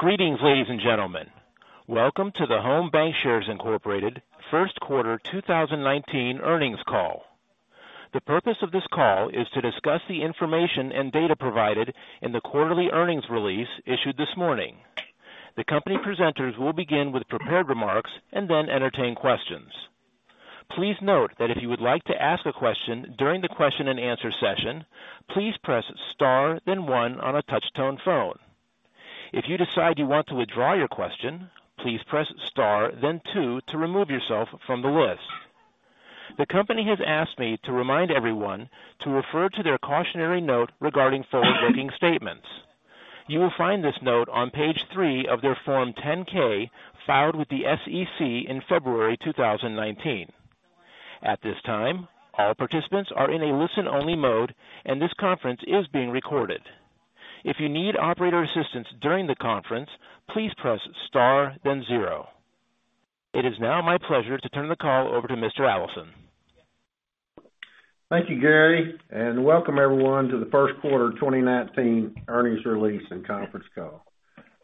Greetings, ladies and gentlemen. Welcome to the Home Bancshares Incorporated first quarter 2019 earnings call. The purpose of this call is to discuss the information and data provided in the quarterly earnings release issued this morning. The company presenters will begin with prepared remarks and then entertain questions. Please note that if you would like to ask a question during the question-and-answer session, please press star then one on a touch-tone phone. If you decide you want to withdraw your question, please press star then two to remove yourself from the list. The company has asked me to remind everyone to refer to their cautionary note regarding forward-looking statements. You will find this note on page three of their Form 10-K filed with the SEC in February 2019. At this time, all participants are in a listen-only mode, and this conference is being recorded. If you need operator assistance during the conference, please press star then zero. It is now my pleasure to turn the call over to Mr. Allison. Thank you, Gary. Welcome everyone to the first quarter 2019 earnings release and conference call.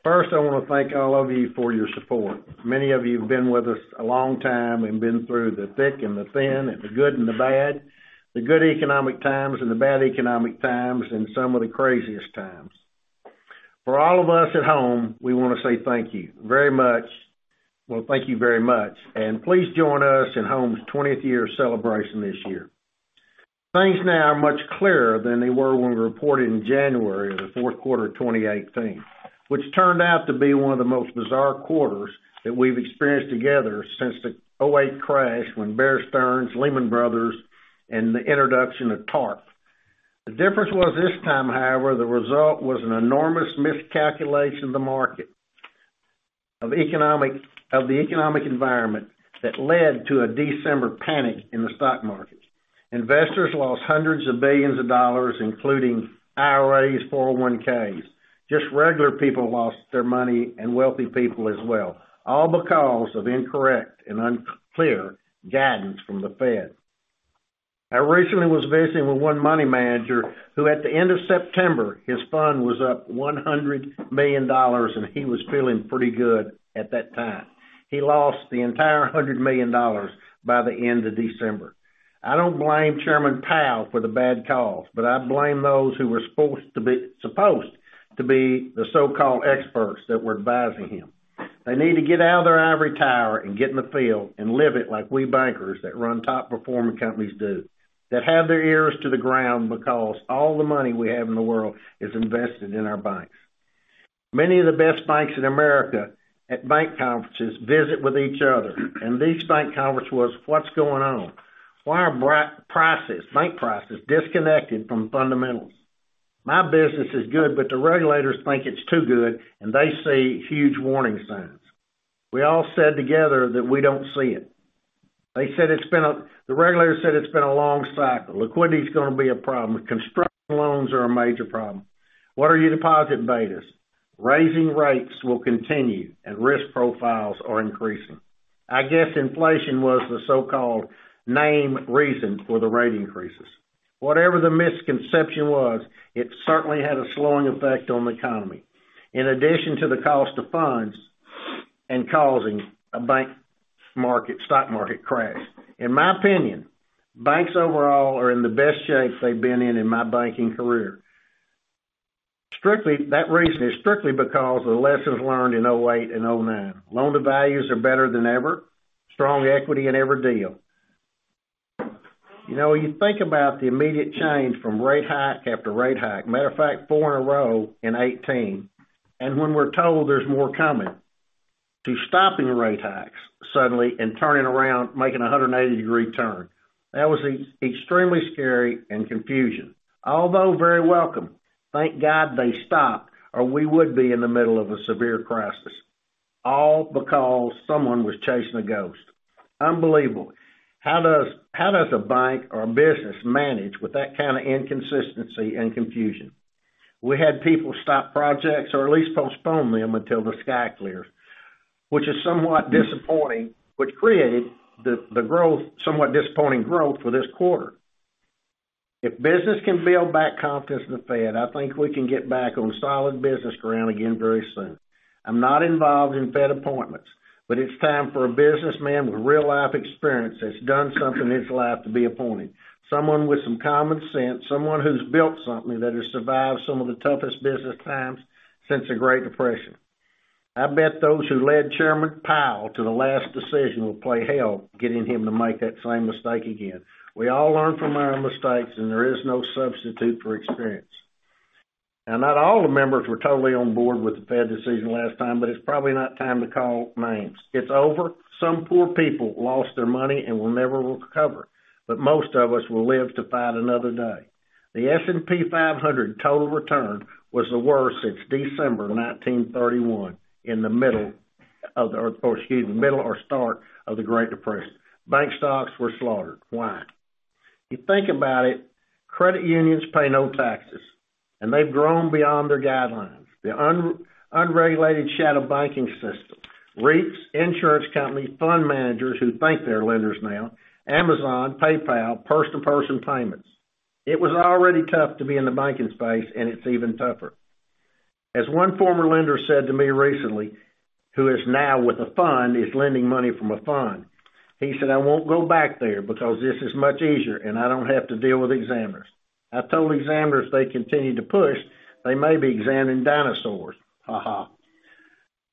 First, I want to thank all of you for your support. Many of you have been with us a long time and been through the thick and the thin, and the good and the bad, the good economic times and the bad economic times, and some of the craziest times. For all of us at Home, we want to say thank you very much, and please join us in Home's 20th-year celebration this year. Things now are much clearer than they were when we reported in January of the fourth quarter of 2018, which turned out to be one of the most bizarre quarters that we've experienced together since the 2008 crash when Bear Stearns, Lehman Brothers, and the introduction of TARP. The difference was this time, however, the result was an enormous miscalculation of the market, of the economic environment that led to a December panic in the stock market. Investors lost hundreds of billions of dollars, including IRAs, 401(k)s. Just regular people lost their money and wealthy people as well, all because of incorrect and unclear guidance from the Fed. I recently was visiting with one money manager who, at the end of September, his fund was up $100 million, and he was feeling pretty good at that time. He lost the entire $100 million by the end of December. I don't blame Chairman Powell for the bad calls. I blame those who were supposed to be the so-called experts that were advising him. They need to get out of their ivory tower and get in the field and live it like we bankers that run top-performing companies do, that have their ears to the ground because all the money we have in the world is invested in our banks. Many of the best banks in America at bank conferences visit with each other. The bank conference was, "What's going on? Why are bank prices disconnected from fundamentals? My business is good, but the regulators think it's too good, and they see huge warning signs." We all said together that we don't see it. The regulators said it's been a long cycle. Liquidity's going to be a problem. Construction loans are a major problem. What are your deposit betas? Raising rates will continue, and risk profiles are increasing. I guess inflation was the so-called name reason for the rate increases. Whatever the misconception was, it certainly had a slowing effect on the economy, in addition to the cost of funds and causing a bank stock market crash. In my opinion, banks overall are in the best shape they've been in my banking career. That reason is strictly because of the lessons learned in 2008 and 2009. Loan-to-values are better than ever. Strong equity in every deal. When you think about the immediate change from rate hike after rate hike, matter of fact, 4 in a row in 2018, when we're told there's more coming, to stopping rate hikes suddenly and turning around, making a 180-degree turn. That was extremely scary and confusion. Although very welcome. Thank God they stopped, or we would be in the middle of a severe crisis, all because someone was chasing a ghost. Unbelievable. How does a bank or a business manage with that kind of inconsistency and confusion? We had people stop projects or at least postpone them until the sky cleared, which is somewhat disappointing, which created the somewhat disappointing growth for this quarter. If business can build back confidence in the Fed, I think we can get back on solid business ground again very soon. I'm not involved in Fed appointments, but it's time for a businessman with real-life experience that's done something in his life to be appointed. Someone with some common sense, someone who's built something that has survived some of the toughest business times since the Great Depression. I bet those who led Chairman Powell to the last decision will play hell getting him to make that same mistake again. We all learn from our mistakes. There is no substitute for experience. Not all the members were totally on board with the Fed decision last time. It's probably not time to call names. It's over. Some poor people lost their money and will never recover, but most of us will live to fight another day. The S&P 500 total return was the worst since December 1931, in the middle or start of the Great Depression. Bank stocks were slaughtered. Why? You think about it, credit unions pay no taxes. They've grown beyond their guidelines. The unregulated shadow banking system, REITs, insurance companies, fund managers who think they're lenders now, Amazon, PayPal, person-to-person payments. It was already tough to be in the banking space. It's even tougher. As one former lender said to me recently, who is now with a fund, is lending money from a fund. He said, "I won't go back there because this is much easier, and I don't have to deal with examiners." I told examiners if they continue to push, they may be examining dinosaurs. Haha.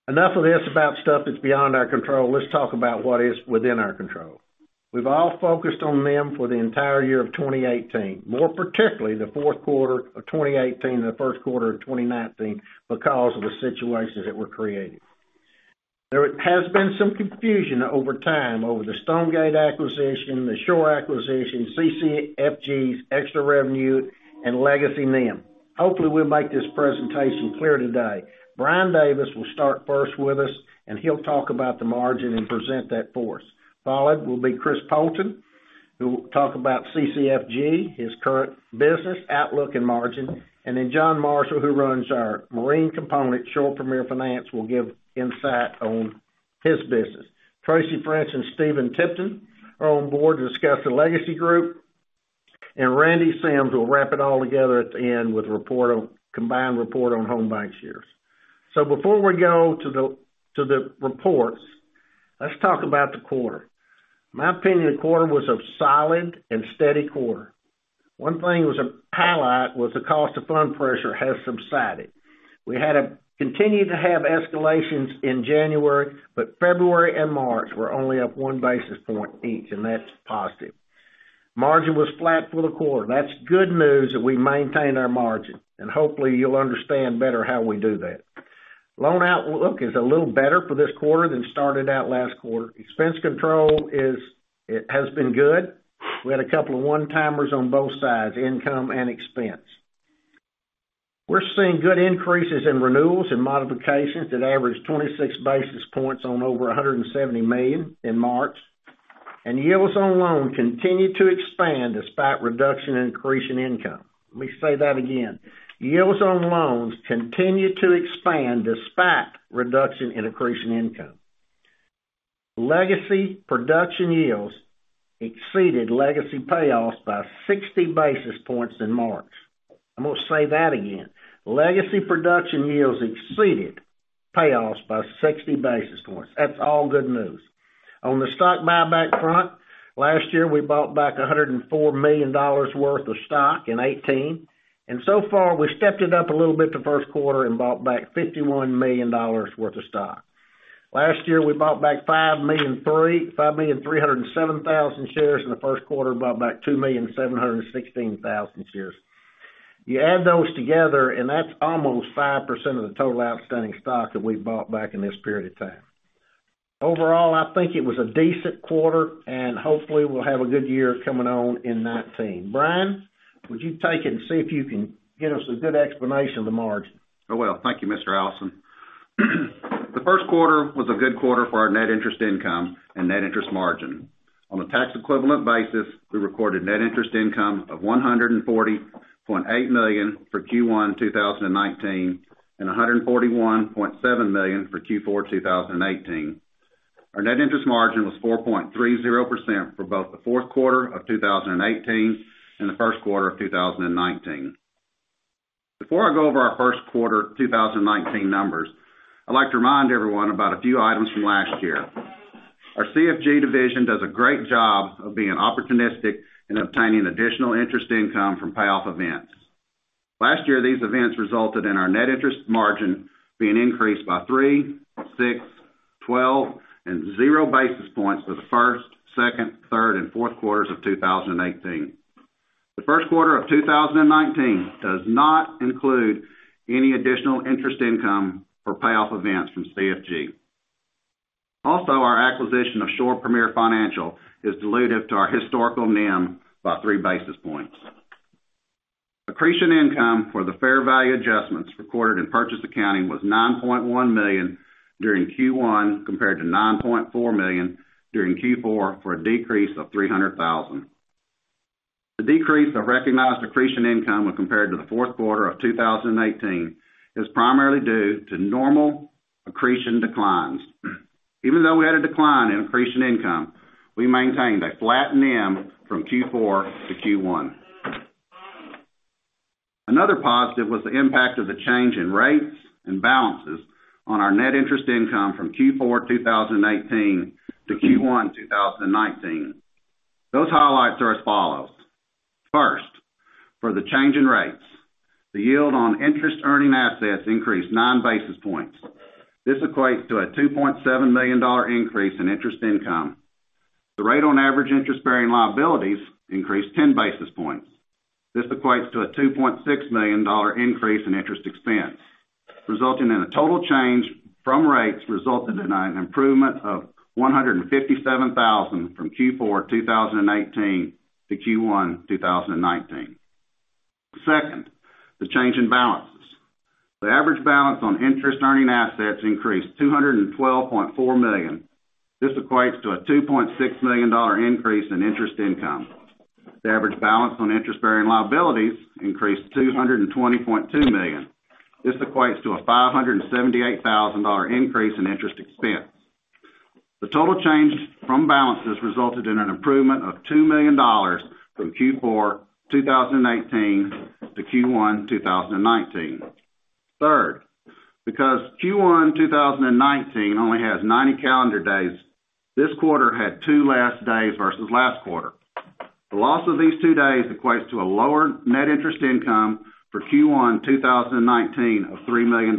Enough of this about stuff that's beyond our control. Let's talk about what is within our control. We've all focused on NIM for the entire year of 2018, more particularly the fourth quarter of 2018 and the first quarter of 2019 because of the situation that we're creating. There has been some confusion over time over the Stonegate acquisition, the Shore acquisition, CCFGs, extra revenue, and Legacy NIM. Hopefully, we'll make this presentation clear today. Brian Davis will start first with us, and he'll talk about the margin and present that for us. Following will be Chris Poulton, who will talk about CCFG, his current business, outlook, and margin. John Marshall, who runs our marine component, Shore Premier Finance, will give insight on his business. Tracy French and Stephen Tipton are on board to discuss the Legacy group. Randy Sims will wrap it all together at the end with a combined report on Home Bancshares. Before we go to the reports, let's talk about the quarter. My opinion, the quarter was a solid and steady quarter. One thing was a highlight was the cost of fund pressure has subsided. We had continued to have escalations in January, but February and March were only up one basis point each, and that's positive. Margin was flat for the quarter. That's good news that we maintained our margin, and hopefully, you'll understand better how we do that. Loan outlook is a little better for this quarter than started out last quarter. Expense control has been good. We had a couple of one-timers on both sides, income and expense. We're seeing good increases in renewals and modifications that averaged 26 basis points on over $170 million in March. Yields on loans continued to expand despite reduction in accretion income. Let me say that again. Yields on loans continued to expand despite reduction in accretion income. Legacy production yields exceeded legacy payoffs by 60 basis points in March. I'm going to say that again. Legacy production yields exceeded payoffs by 60 basis points. That's all good news. On the stock buyback front, last year, we bought back $104 million worth of stock in 2018, and so far, we've stepped it up a little bit the first quarter and bought back $51 million worth of stock. Last year, we bought back 5,307,000 shares. In the first quarter, we bought back 2,716,000 shares. You add those together, that's almost 5% of the total outstanding stock that we've bought back in this period of time. Overall, I think it was a decent quarter, hopefully, we'll have a good year coming on in 2019. Brian, would you take it and see if you can get us a good explanation of the margin? Thank you, Mr. Allison. The first quarter was a good quarter for our net interest income and net interest margin. On a tax equivalent basis, we recorded net interest income of $140.8 million for Q1 2019 and $141.7 million for Q4 2018. Our net interest margin was 4.30% for both the fourth quarter of 2018 and the first quarter of 2019. Before I go over our first quarter 2019 numbers, I'd like to remind everyone about a few items from last year. Our CFG division does a great job of being opportunistic in obtaining additional interest income from payoff events. Last year, these events resulted in our net interest margin being increased by 3, 6, 12, and 0 basis points for the first, second, third, and fourth quarters of 2018. The first quarter of 2019 does not include any additional interest income for payoff events from CCFG. Our acquisition of Shore Premier Finance has diluted to our historical NIM by 3 basis points. Accretion income for the fair value adjustments recorded in purchase accounting was $9.1 million during Q1 compared to $9.4 million during Q4, for a decrease of $300,000. The decrease of recognized accretion income when compared to the fourth quarter of 2018 is primarily due to normal accretion declines. Even though we had a decline in accretion income, we maintained a flat NIM from Q4 to Q1. Another positive was the impact of the change in rates and balances on our net interest income from Q4 2018 to Q1 2019. Those highlights are as follows. First, for the change in rates, the yield on interest-earning assets increased 9 basis points. This equates to a $2.7 million increase in interest income. The rate on average interest-bearing liabilities increased 10 basis points. This equates to a $2.6 million increase in interest expense, resulting in a total change from rates resulting in an improvement of $157,000 from Q4 2018 to Q1 2019. Second, the change in balances. The average balance on interest-earning assets increased to $212.4 million. This equates to a $2.6 million increase in interest income. The average balance on interest-bearing liabilities increased to $220.2 million. This equates to a $578,000 increase in interest expense. The total change from balances resulted in an improvement of $2 million from Q4 2018 to Q1 2019. Third, because Q1 2019 only has 90 calendar days, this quarter had two less days versus last quarter. The loss of these 2 days equates to a lower net interest income for Q1 2019 of $3 million.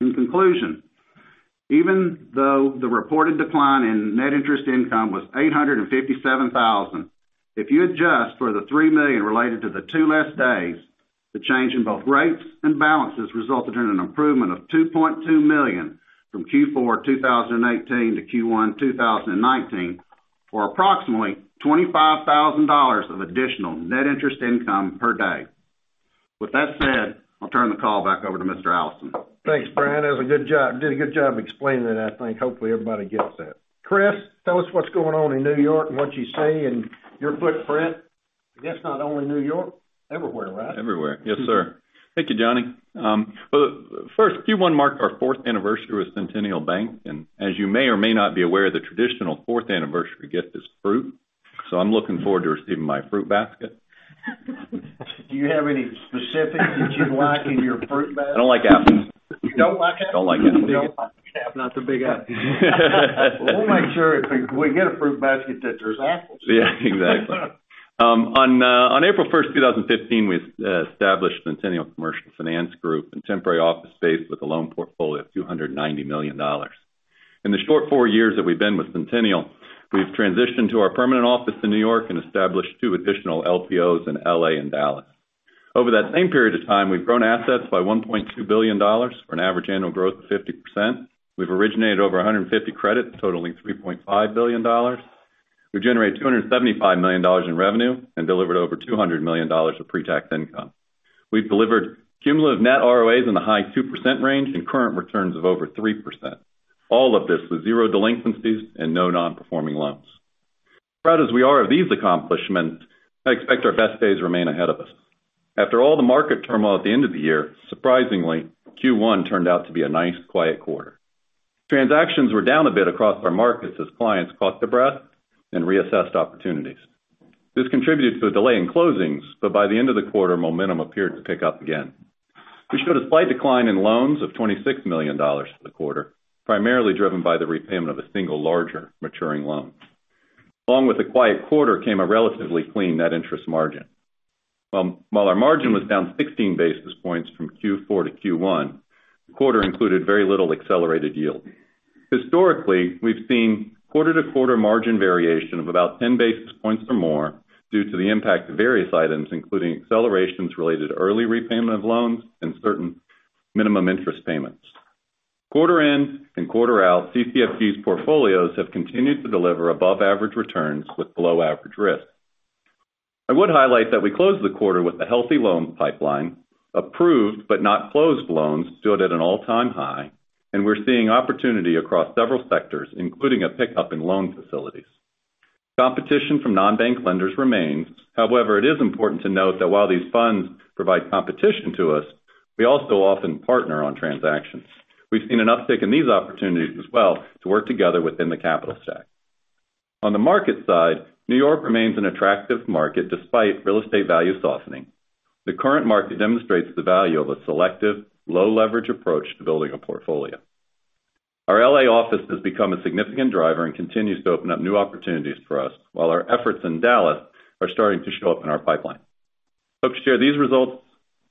In conclusion, even though the reported decline in net interest income was $857,000, if you adjust for the $3 million related to the two less days, the change in both rates and balances resulted in an improvement of $2.2 million from Q4 2018 to Q1 2019, or approximately $25,000 of additional net interest income per day. With that said, I'll turn the call back over to Mr. Allison. Thanks, Brian. That was a good job. You did a good job explaining that, I think. Hopefully, everybody gets that. Chris, tell us what's going on in New York and what you see, and your footprint. I guess not only New York, everywhere, right? Everywhere. Yes, sir. Thank you, Johnny. Well, first, Q1 marked our fourth anniversary with Centennial Bank. As you may or may not be aware, the traditional fourth anniversary gift is fruit. I'm looking forward to receiving my fruit basket. Do you have any specifics that you'd like in your fruit basket? I don't like apples. You don't like apples? Don't like apples. You don't like apples. Not so big on apples. We'll make sure if we get a fruit basket that there's apples. Yeah, exactly. On April 1st, 2015, we established Centennial Commercial Finance Group in temporary office space with a loan portfolio of $290 million. In the short four years that we've been with Centennial, we've transitioned to our permanent office in New York and established two additional LPOs in L.A. and Dallas. Over that same period of time, we've grown assets by $1.2 billion, or an average annual growth of 50%. We've originated over 150 credits totaling $3.5 billion. We've generated $275 million in revenue and delivered over $200 million of pre-tax income. We've delivered cumulative net ROAs in the high 2% range and current returns of over 3%. All of this with zero delinquencies and no non-performing loans. Proud as we are of these accomplishments, I expect our best days remain ahead of us. After all the market turmoil at the end of the year, surprisingly, Q1 turned out to be a nice quiet quarter. Transactions were down a bit across our markets as clients caught their breath and reassessed opportunities. This contributed to a delay in closings, but by the end of the quarter, momentum appeared to pick up again. We showed a slight decline in loans of $26 million for the quarter, primarily driven by the repayment of a single larger maturing loan. Along with the quiet quarter came a relatively clean net interest margin. While our margin was down 16 basis points from Q4 to Q1, the quarter included very little accelerated yield. Historically, we've seen quarter-to-quarter margin variation of about 10 basis points or more due to the impact of various items, including accelerations related to early repayment of loans and certain minimum interest payments. Quarter in and quarter out, CCFG's portfolios have continued to deliver above average returns with below average risk. I would highlight that we closed the quarter with a healthy loan pipeline, approved but not closed loans stood at an all-time high, and we're seeing opportunity across several sectors, including a pickup in loan facilities. Competition from non-bank lenders remains. However, it is important to note that while these funds provide competition to us, we also often partner on transactions. We've seen an uptick in these opportunities as well to work together within the capital stack. On the market side, New York remains an attractive market despite real estate value softening. The current market demonstrates the value of a selective, low leverage approach to building a portfolio. Our L.A. office has become a significant driver and continues to open up new opportunities for us, while our efforts in Dallas are starting to show up in our pipeline. Hope to share the results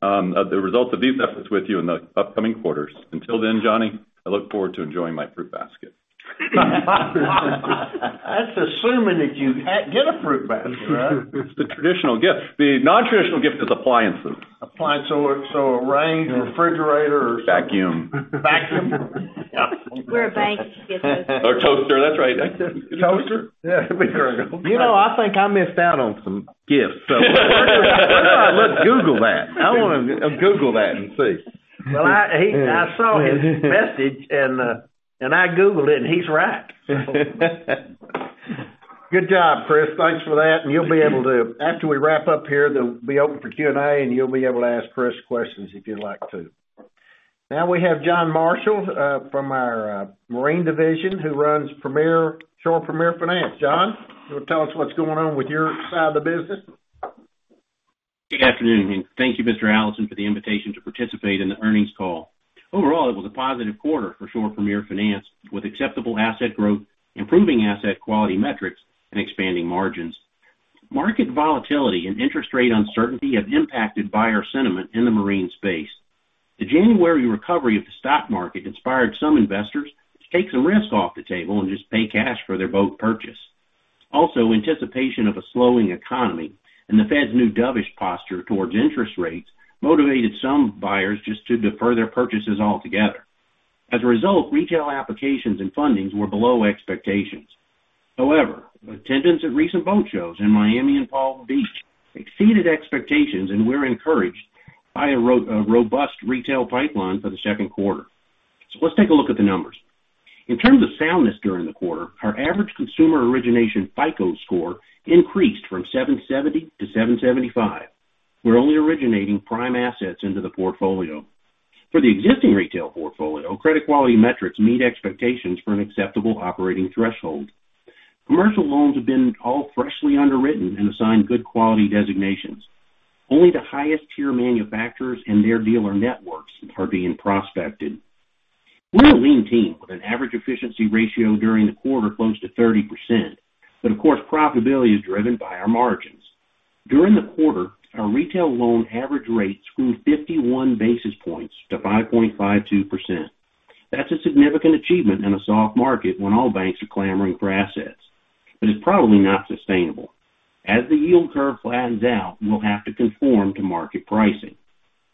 of these efforts with you in the upcoming quarters. Until then, Johnny, I look forward to enjoying my fruit basket. That's assuming that you get a fruit basket, right? It's the traditional gift. The non-traditional gift is appliances. Appliances. A range, a refrigerator, or something. Vacuum. Vacuum? Yeah. We're a bank. Toaster. That's right. Toaster? Yeah. You know, I think I missed out on some gifts. Where do I look? Google that. I want to Google that and see. Well, I saw his message, and I Googled it, and he's right. Good job, Chris. Thanks for that. You'll be able to, after we wrap up here, they'll be open for Q&A, and you'll be able to ask Chris questions if you'd like to. Now, we have John Marshall, from our marine division, who runs Shore Premier Finance. John, you want to tell us what's going on with your side of the business? Good afternoon, thank you, Mr. Allison, for the invitation to participate in the earnings call. Overall, it was a positive quarter for Shore Premier Finance, with acceptable asset growth, improving asset quality metrics, and expanding margins. Market volatility and interest rate uncertainty have impacted buyer sentiment in the marine space. The January recovery of the stock market inspired some investors to take some risk off the table and just pay cash for their boat purchase. Also, anticipation of a slowing economy and the Fed's new dovish posture towards interest rates motivated some buyers just to defer their purchases altogether. As a result, retail applications and fundings were below expectations. However, attendance at recent boat shows in Miami and Palm Beach exceeded expectations, and we're encouraged by a robust retail pipeline for the second quarter. Let's take a look at the numbers. In terms of soundness during the quarter, our average consumer origination FICO score increased from 770-775. We're only originating prime assets into the portfolio. For the existing retail portfolio, credit quality metrics meet expectations for an acceptable operating threshold. Commercial loans have been all freshly underwritten and assigned good quality designations. Only the highest tier manufacturers and their dealer networks are being prospected. We're a lean team with an average efficiency ratio during the quarter close to 30%, but of course, profitability is driven by our margins. During the quarter, our retail loan average rate grew 51 basis points to 5.52%. That's a significant achievement in a soft market when all banks are clamoring for assets, but it's probably not sustainable. As the yield curve flattens out, we'll have to conform to market pricing.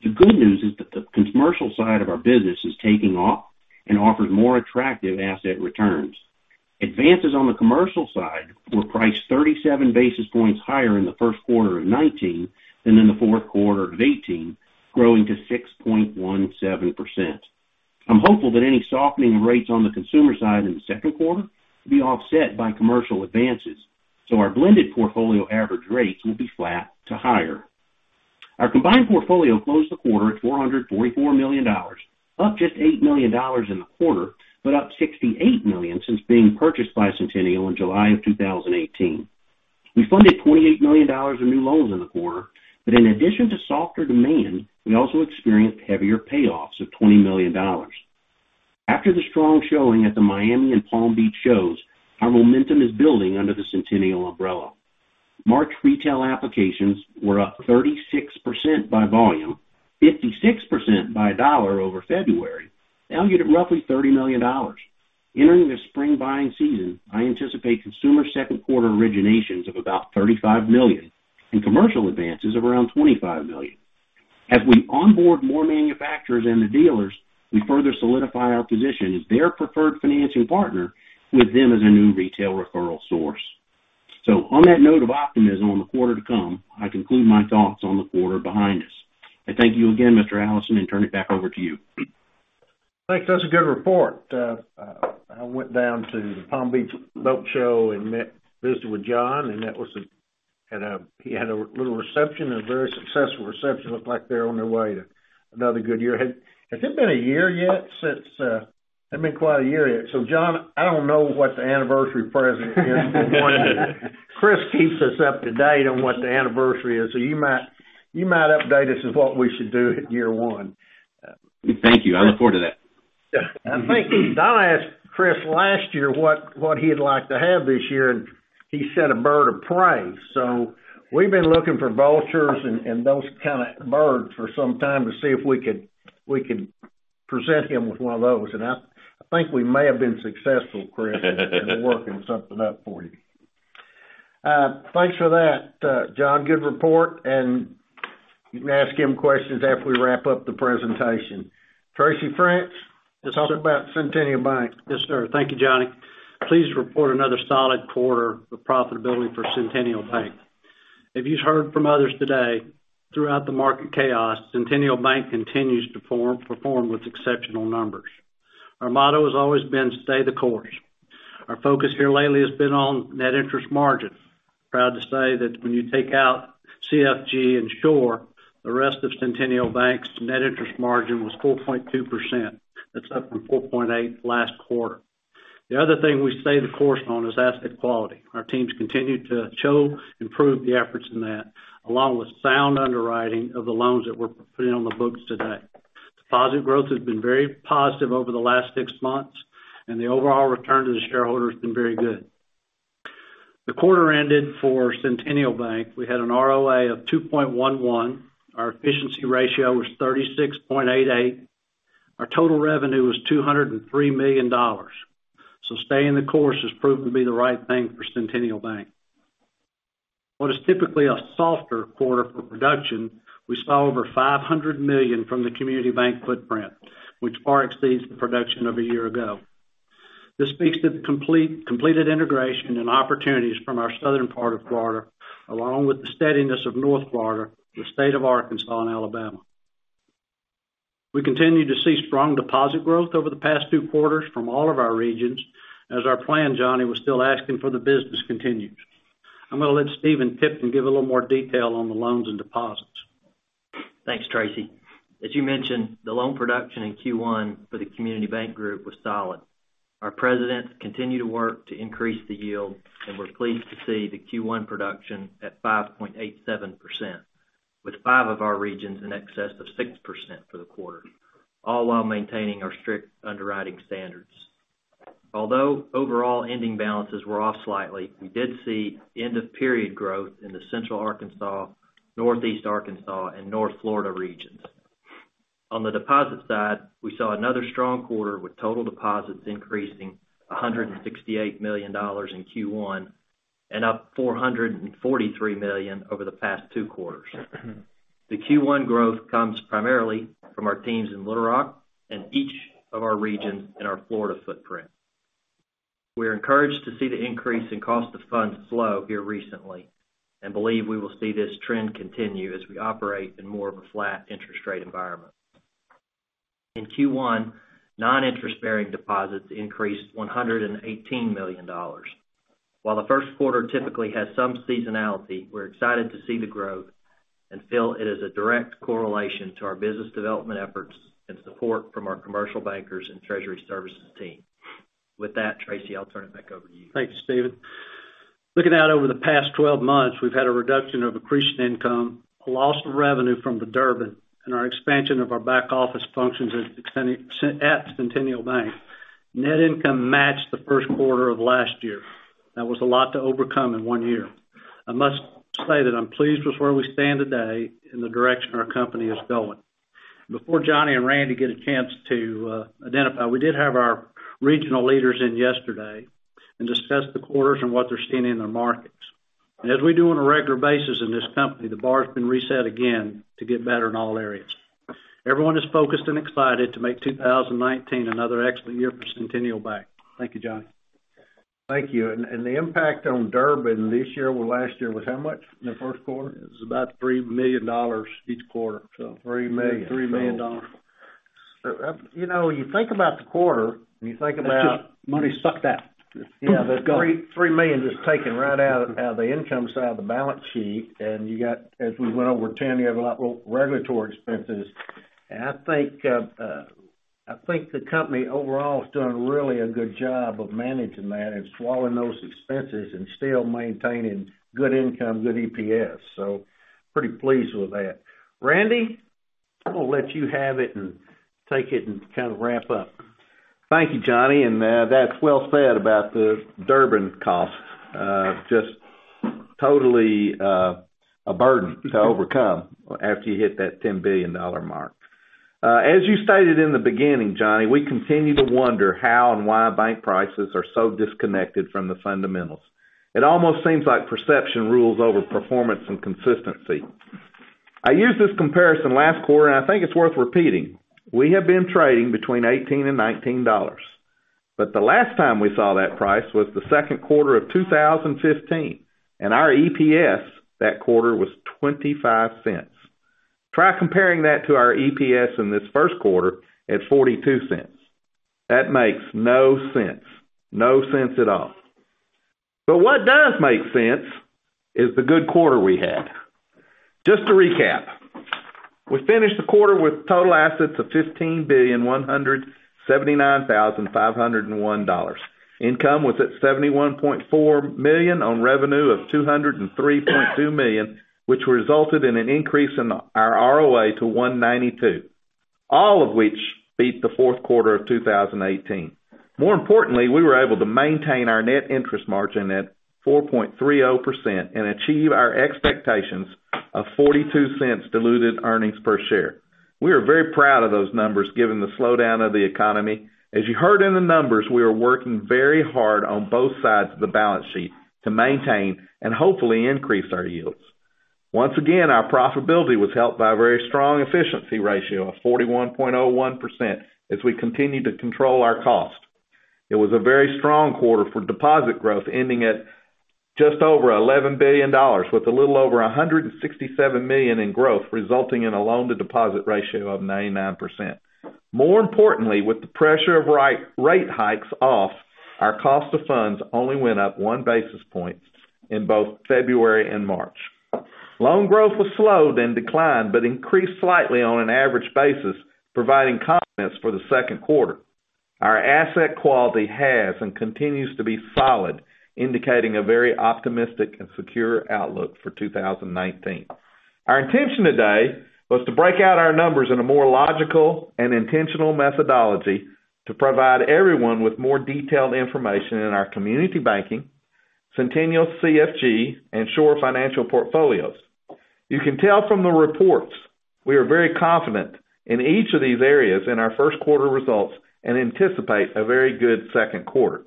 The good news is that the commercial side of our business is taking off and offers more attractive asset returns. Advances on the commercial side were priced 37 basis points higher in the first quarter of 2019 than in the fourth quarter of 2018, growing to 6.17%. I'm hopeful that any softening of rates on the consumer side in the second quarter will be offset by commercial advances, so our blended portfolio average rates will be flat to higher. Our combined portfolio closed the quarter at $444 million, up just $8 million in the quarter, but up $68 million since being purchased by Centennial in July of 2018. We funded $28 million of new loans in the quarter, but in addition to softer demand, we also experienced heavier payoffs of $20 million. After the strong showing at the Miami and Palm Beach shows, our momentum is building under the Centennial umbrella. March retail applications were up 36% by volume, 56% by dollar over February, valued at roughly $30 million. Entering the spring buying season, I anticipate consumer second quarter originations of about $35 million and commercial advances of around $25 million. As we onboard more manufacturers and the dealers, we further solidify our position as their preferred financing partner with them as a new retail referral source. On that note of optimism on the quarter to come, I conclude my thoughts on the quarter behind us. I thank you again, Mr. Allison, and turn it back over to you. Thanks. That's a good report. I went down to the Palm Beach Boat Show and visited with John, and he had a little reception, a very successful reception. Looked like they're on their way to another good year. Has it been a year yet since It's been quite a year. John, I don't know what the anniversary present is for one. Chris keeps us up to date on what the anniversary is, so you might update us on what we should do at year one. Thank you. I look forward to that. Yeah. I think I asked Chris last year what he'd like to have this year, and he said a bird of prey. We've been looking for vultures and those kind of birds for some time to see if we could present him with one of those, and I think we may have been successful, Chris. We've been working something up for you. Thanks for that, John. Good report, and you can ask him questions after we wrap up the presentation. Tracy French, let's talk about Centennial Bank. Yes, sir. Thank you, Johnny. Pleased to report another solid quarter of profitability for Centennial Bank. If you've heard from others today, throughout the market chaos, Centennial Bank continues to perform with exceptional numbers. Our motto has always been stay the course. Our focus here lately has been on net interest margin. Proud to say that when you take out CCFG and Shore, the rest of Centennial Bank's net interest margin was 4.2%. That's up from 4.8% last quarter. The other thing we stay the course on is asset quality. Our teams continue to show improved efforts in that, along with sound underwriting of the loans that we're putting on the books today. Deposit growth has been very positive over the last six months, and the overall return to the shareholder has been very good. The quarter ended for Centennial Bank, we had an ROA of 2.11%. Our efficiency ratio was 36.88%. Our total revenue was $203 million. Staying the course has proven to be the right thing for Centennial Bank. What is typically a softer quarter for production, we saw over $500 million from the Community Bank footprint, which far exceeds the production of a year ago. This speaks to the completed integration and opportunities from our southern part of Florida, along with the steadiness of North Florida, the state of Arkansas, and Alabama. We continue to see strong deposit growth over the past two quarters from all of our regions. As our plan, Johnny, we're still asking for the business continues. I'm going to let Stephen Tipton give a little more detail on the loans and deposits. Thanks, Tracy. As you mentioned, the loan production in Q1 for the Community Bank Group was solid. Our presidents continue to work to increase the yield, and we're pleased to see the Q1 production at 5.87%, with five of our regions in excess of 6% for the quarter, all while maintaining our strict underwriting standards. Although overall ending balances were off slightly, we did see end-of-period growth in the Central Arkansas, Northeast Arkansas, and North Florida regions. On the deposit side, we saw another strong quarter with total deposits increasing $168 million in Q1 and up $443 million over the past two quarters. The Q1 growth comes primarily from our teams in Little Rock and each of our regions in our Florida footprint. We're encouraged to see the increase in cost of funds slow here recently, and believe we will see this trend continue as we operate in more of a flat interest rate environment. In Q1, non-interest-bearing deposits increased $118 million. While the first quarter typically has some seasonality, we're excited to see the growth and feel it is a direct correlation to our business development efforts and support from our commercial bankers and treasury services team. With that, Tracy, I'll turn it back over to you. Thank you, Stephen. Looking out over the past 12 months, we've had a reduction of accretion income, a loss of revenue from the Durbin, and our expansion of our back office functions at Centennial Bank. Net income matched the first quarter of last year. That was a lot to overcome in one year. I must say that I'm pleased with where we stand today and the direction our company is going. Before John and Randy get a chance to identify, we did have our regional leaders in yesterday and discussed the quarters and what they're seeing in their markets. As we do on a regular basis in this company, the bar has been reset again to get better in all areas. Everyone is focused and excited to make 2019 another excellent year for Centennial Bank. Thank you, John. Thank you. The impact on Durbin this year or last year was how much in the first quarter? It was about $3 million each quarter. $3 million. $3 million. You think about the quarter. That's just money sucked out. Yeah. It's gone. The $3 million just taken right out of the income side of the balance sheet. You got, as we went over, 10-year regulatory expenses. I think the company overall has done really a good job of managing that and swallowing those expenses and still maintaining good income, good EPS. Pretty pleased with that. Randy, I am going to let you have it and take it and kind of wrap up. Thank you, Johnny. That's well said about the Durbin cost. Just totally a burden to overcome after you hit that $10 billion mark. As you stated in the beginning, Johnny, we continue to wonder how and why bank prices are so disconnected from the fundamentals. It almost seems like perception rules over performance and consistency. I used this comparison last quarter. I think it is worth repeating. We have been trading between $18 and $19, but the last time we saw that price was the second quarter of 2015, and our EPS that quarter was $0.25. Try comparing that to our EPS in this first quarter at $0.42. That makes no sense. No sense at all. What does make sense is the good quarter we had. Just to recap, we finished the quarter with total assets of $15,179,501. Income was at $71.4 million on revenue of $203.2 million, which resulted in an increase in our ROA to 1.92%, all of which beat the fourth quarter of 2018. More importantly, we were able to maintain our net interest margin at 4.30% and achieve our expectations of $0.42 diluted earnings per share. We are very proud of those numbers given the slowdown of the economy. As you heard in the numbers, we are working very hard on both sides of the balance sheet to maintain and hopefully increase our yields. Once again, our profitability was helped by a very strong efficiency ratio of 41.01% as we continue to control our cost. It was a very strong quarter for deposit growth, ending at just over $11 billion, with a little over $167 million in growth, resulting in a loan-to-deposit ratio of 99%. More importantly, with the pressure of rate hikes off, our cost of funds only went up one basis point in both February and March. Loan growth was slow, then declined, but increased slightly on an average basis, providing confidence for the second quarter. Our asset quality has and continues to be solid, indicating a very optimistic and secure outlook for 2019. Our intention today was to break out our numbers in a more logical and intentional methodology to provide everyone with more detailed information in our community banking, Centennial CFG, and Shore Premier Finance portfolios. You can tell from the reports, we are very confident in each of these areas in our first quarter results and anticipate a very good second quarter.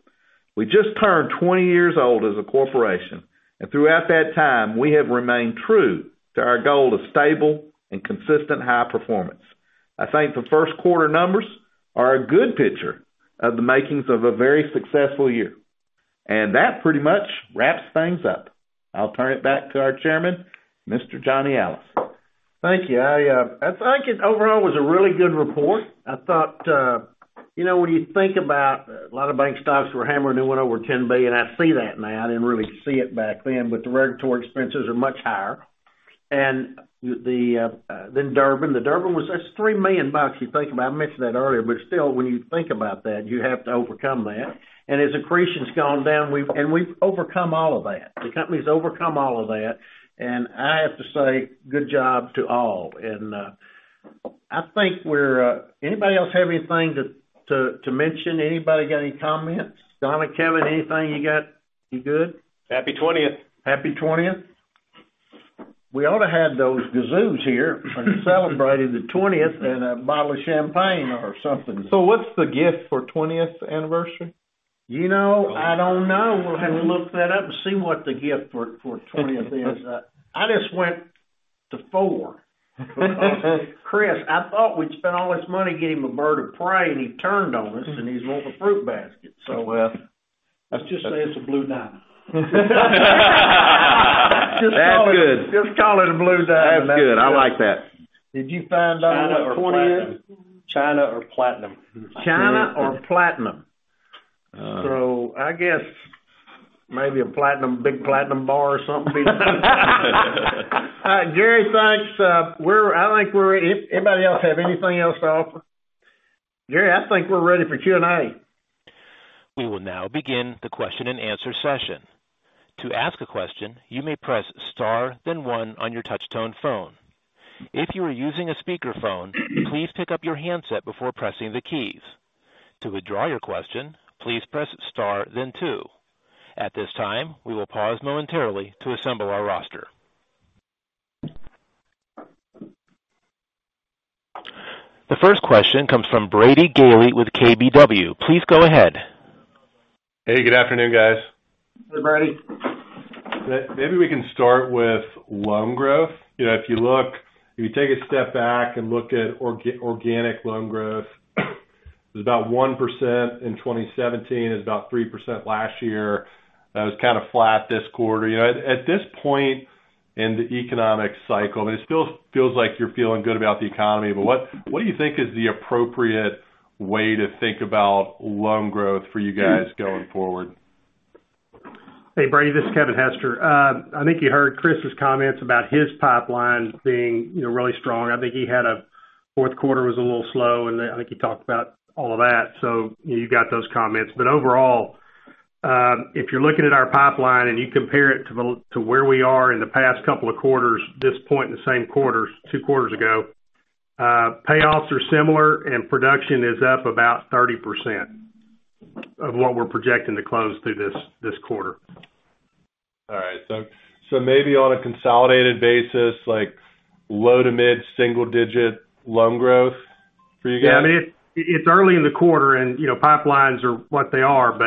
We just turned 20 years old as a corporation. Throughout that time, we have remained true to our goal of stable and consistent high performance. I think the first quarter numbers are a good picture of the makings of a very successful year. That pretty much wraps things up. I'll turn it back to our chairman, Mr. John Allison. Thank you. I think it overall was a really good report. I thought, when you think about a lot of bank stocks were hammering and went over $10 billion, I see that now. I didn't really see it back then, but the regulatory expenses are much higher. Then Durbin. The Durbin was just $3 million you think about, I mentioned that earlier, but still, when you think about that, you have to overcome that. As accretion's gone down, we've overcome all of that. The company's overcome all of that, I have to say good job to all. Anybody else have anything to mention? Anybody got any comments? John or Kevin, anything you got? You good? Happy 20th. Happy 20th. We ought to have those kazoos here and celebrating the 20th and a bottle of champagne or something. So, what's the gift for 20th anniversary? I don't know. We'll have to look that up and see what the gift for 20th is. I just went to four. Chris, I thought we'd spent all this money to get him a bird of prey, and he turned on us, and he's wanting a fruit basket. let's just say it's a blue diamond. That's good. Just call it a blue diamond. That's good. I like that. Did you find out what corn is? China or platinum. China or platinum. Oh. I guess maybe a big platinum bar or something. All right, Gary, thanks. Anybody else have anything else to offer? Gary, I think we're ready for Q&A. We will now begin the question and answer session. To ask a question, you may press star, then one on your touchtone phone. If you are using a speakerphone, please pick up your handset before pressing the keys. To withdraw your question, please press star, then two. At this time, we will pause momentarily to assemble our roster. The first question comes from Brady Gailey with KBW. Please go ahead. Hey, good afternoon, guys. Hey, Brady. Maybe we can start with loan growth. If you take a step back and look at organic loan growth, it was about 1% in 2017. It was about 3% last year. It was kind of flat this quarter. At this point in the economic cycle, it still feels like you're feeling good about the economy, what do you think is the appropriate way to think about loan growth for you guys going forward? Hey, Brady, this is Kevin Hester. I think you heard Chris' comments about his pipeline being really strong. I think he had a fourth quarter was a little slow, I think he talked about all of that, you got those comments. Overall, if you're looking at our pipeline and you compare it to where we are in the past couple of quarters, this point in the same quarters, two quarters ago, payoffs are similar and production is up about 30% of what we're projecting to close through this quarter. All right. Maybe on a consolidated basis, like low to mid-single digit loan growth for you guys? It's early in the quarter, pipelines are what they are,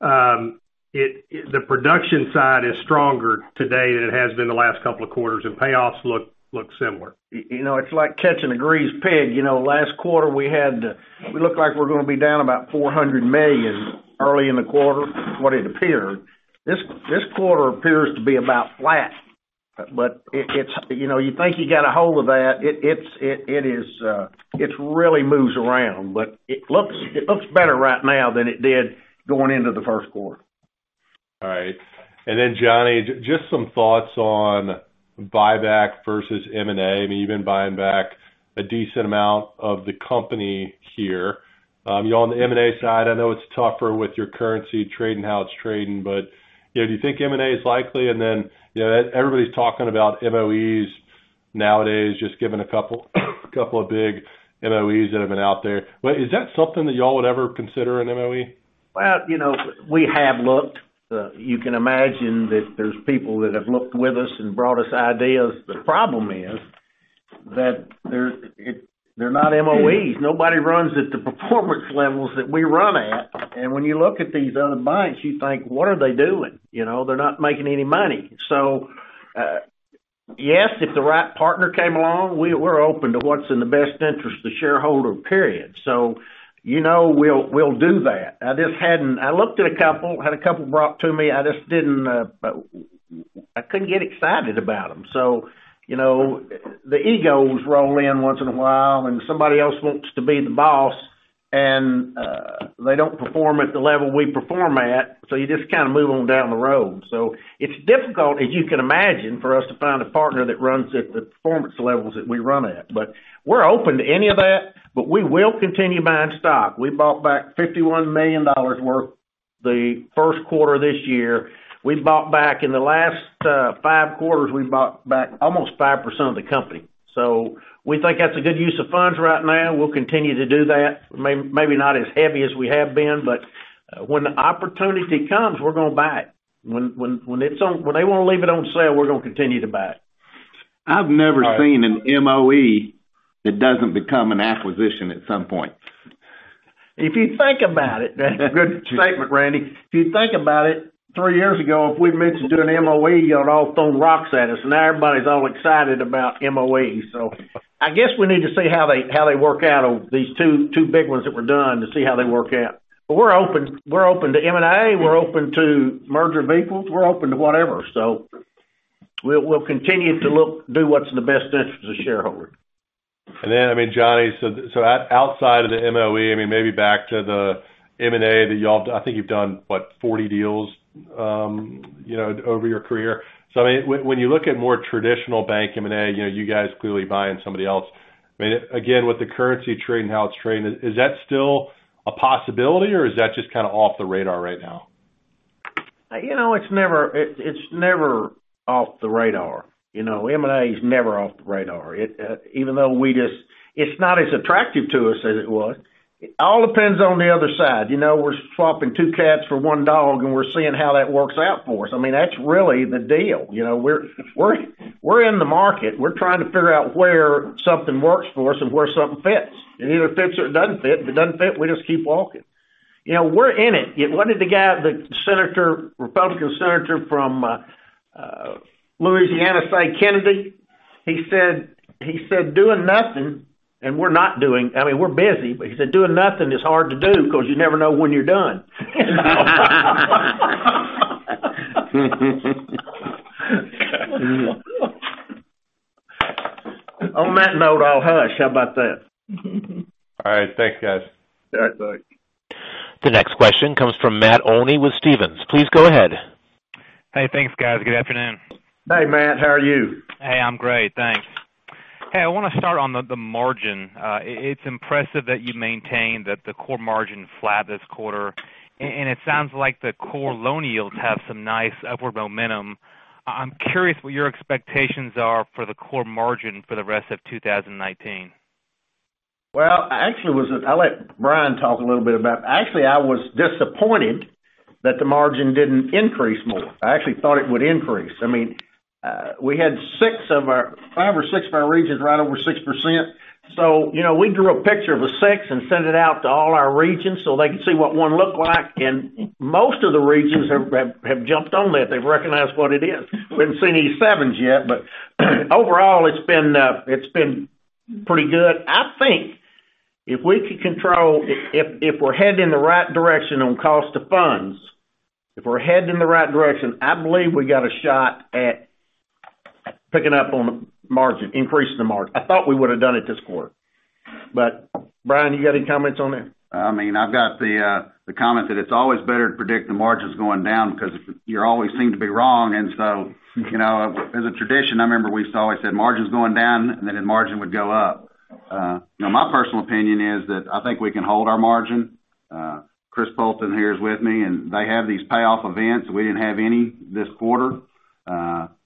the production side is stronger today than it has been the last couple of quarters, payoffs look similar. It's like catching a greased pig. Last quarter, we looked like we're going to be down about $400 million early in the quarter, what it appeared. This quarter appears to be about flat. You think you got a hold of that, it really moves around. It looks better right now than it did going into the first quarter. All right. Johnny, just some thoughts on buyback versus M&A. You've been buying back a decent amount of the company here. On the M&A side, I know it's tougher with your currency trading how it's trading, but do you think M&A is likely? Everybody's talking about MOEs nowadays, just given a couple of big MOEs that have been out there. Is that something that y'all would ever consider, an MOE? We have looked. You can imagine that there's people that have looked with us and brought us ideas. The problem is that they're not MOEs. Nobody runs at the performance levels that we run at, and when you look at these other banks, you think, "What are they doing? They're not making any money." Yes, if the right partner came along, we're open to what's in the best interest of the shareholder, period. We'll do that. I looked at a couple, had a couple brought to me. I couldn't get excited about them. The egos roll in once in a while, and somebody else wants to be the boss, and they don't perform at the level we perform at, so you just kind of move on down the road. It's difficult, as you can imagine, for us to find a partner that runs at the performance levels that we run at. We're open to any of that, but we will continue buying stock. We bought back $51 million worth the first quarter this year. In the last five quarters, we've bought back almost 5% of the company. We think that's a good use of funds right now. We'll continue to do that, maybe not as heavy as we have been, but when the opportunity comes, we're going to buy it. When they want to leave it on sale, we're going to continue to buy it. I've never seen an MOE that doesn't become an acquisition at some point. If you think about it Good statement, Randy. If you think about it, three years ago, if we'd mentioned doing an MOE, you would've all thrown rocks at us. Now everybody's all excited about MOE. I guess we need to see how they work out, these two big ones that were done to see how they work out. We're open to M&A, we're open to merger of equals, we're open to whatever. We'll continue to do what's in the best interest of shareholders. Johnny, outside of the MOE, maybe back to the M&A that I think you've done, what, 40 deals over your career. When you look at more traditional bank M&A, you guys clearly buying somebody else. Again, with the currency trading how it's trading, is that still a possibility, or is that just kind of off the radar right now? It's never off the radar. M&A is never off the radar. It's not as attractive to us as it was. It all depends on the other side. We're swapping two cats for one dog, and we're seeing how that works out for us. That's really the deal. We're in the market. We're trying to figure out where something works for us and where something fits, and it either fits or it doesn't fit. If it doesn't fit, we just keep walking. We're in it. What did the guy, the Republican senator from Louisiana say, "Kennedy?" He said, "Doing nothing." We're not doing. We're busy, but he said, "Doing nothing is hard to do because you never know when you're done." On that note, I'll hush. How about that? All right. Thanks, guys. All right, thanks. The next question comes from Matt Olney with Stephens. Please go ahead. Hey, thanks, guys. Good afternoon. Hey, Matt. How are you? Hey, I'm great. Thanks. Hey, I want to start on the margin. It's impressive that you maintained that the core margin flat this quarter. It sounds like the core loan yields have some nice upward momentum. I'm curious what your expectations are for the core margin for the rest of 2019. Well, actually, I'll let Brian talk a little bit about it. Actually, I was disappointed that the margin didn't increase more. I actually thought it would increase. We had 5% or 6%of our regions right over 6%. We drew a picture of a 6% and sent it out to all our regions so they could see what 1 looked like, and most of the regions have jumped on that. They've recognized what it is. We haven't seen any 7% yet, overall, it's been pretty good. I think if we could control, if we're heading in the right direction on cost of funds, if we're heading in the right direction, I believe we got a shot at picking up on the margin, increasing the margin. I thought we would've done it this quarter. Brian, you got any comments on that? I've got the comment that it's always better to predict the margins going down because you always seem to be wrong. As a tradition, I remember we used to always say, "Margin's going down," and then the margin would go up. My personal opinion is that I think we can hold our margin. Chris Poulton here is with me, they have these payoff events. We didn't have any this quarter.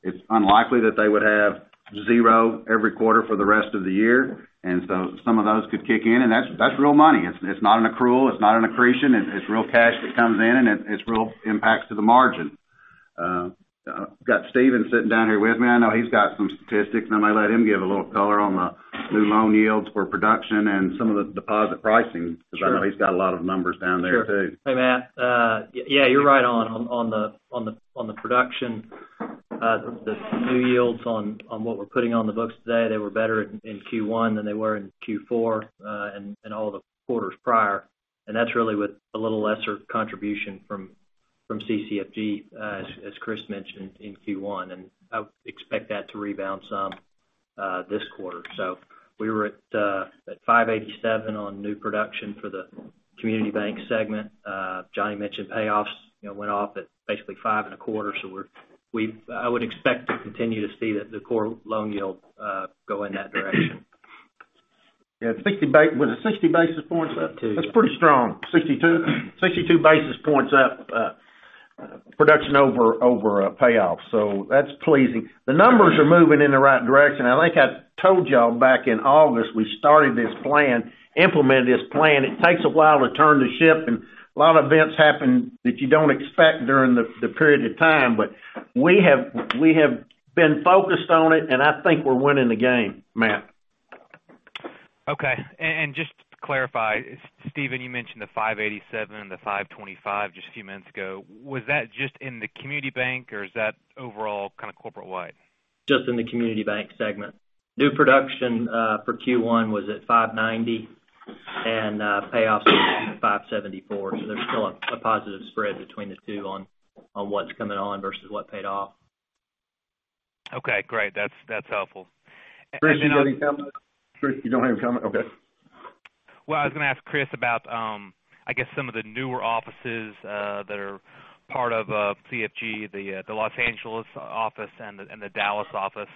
It's unlikely that they would have 0 every quarter for the rest of the year, some of those could kick in, and that's real money. It's not an accrual, it's not an accretion. It's real cash that comes in, it's real impacts to the margin. Got Stephen sitting down here with me. I know he's got some statistics, I'm going to let him give a little color on the new loan yields for production and some of the deposit pricing because I know he's got a lot of numbers down there too. Sure. Hey, Matt. Yeah, you're right on the production. The new yields on what we're putting on the books today, they were better in Q1 than they were in Q4, all the quarters prior. That's really with a little lesser contribution from CCFG, as Chris mentioned, in Q1. I would expect that to rebound some this quarter. We were at 587 on new production for the community bank segment. John mentioned payoffs, went off at basically five and a quarter. I would expect to continue to see the core loan yield go in that direction. Yeah. Was it 60 basis points? 62. That's pretty strong. 62 basis points up production over payoffs. That's pleasing. The numbers are moving in the right direction. I think I told you all back in August, we started this plan, implemented this plan. It takes a while to turn the ship, and a lot of events happen that you don't expect during the period of time. We have been focused on it, and I think we're winning the game, Matt. Okay. Just to clarify, Stephen, you mentioned the 587 and the 525 just a few minutes ago. Was that just in the community bank, or is that overall kind of corporate wide? Just in the community bank segment. New production for Q1 was at 590 and payoffs were 574, there's still a positive spread between the two on what's coming on versus what paid off. Okay, great. That's helpful. Chris, you got any comments? Chris, you don't have any comment? Okay. I was going to ask Chris about, I guess, some of the newer offices that are part of CCFG, the Los Angeles office and the Dallas office.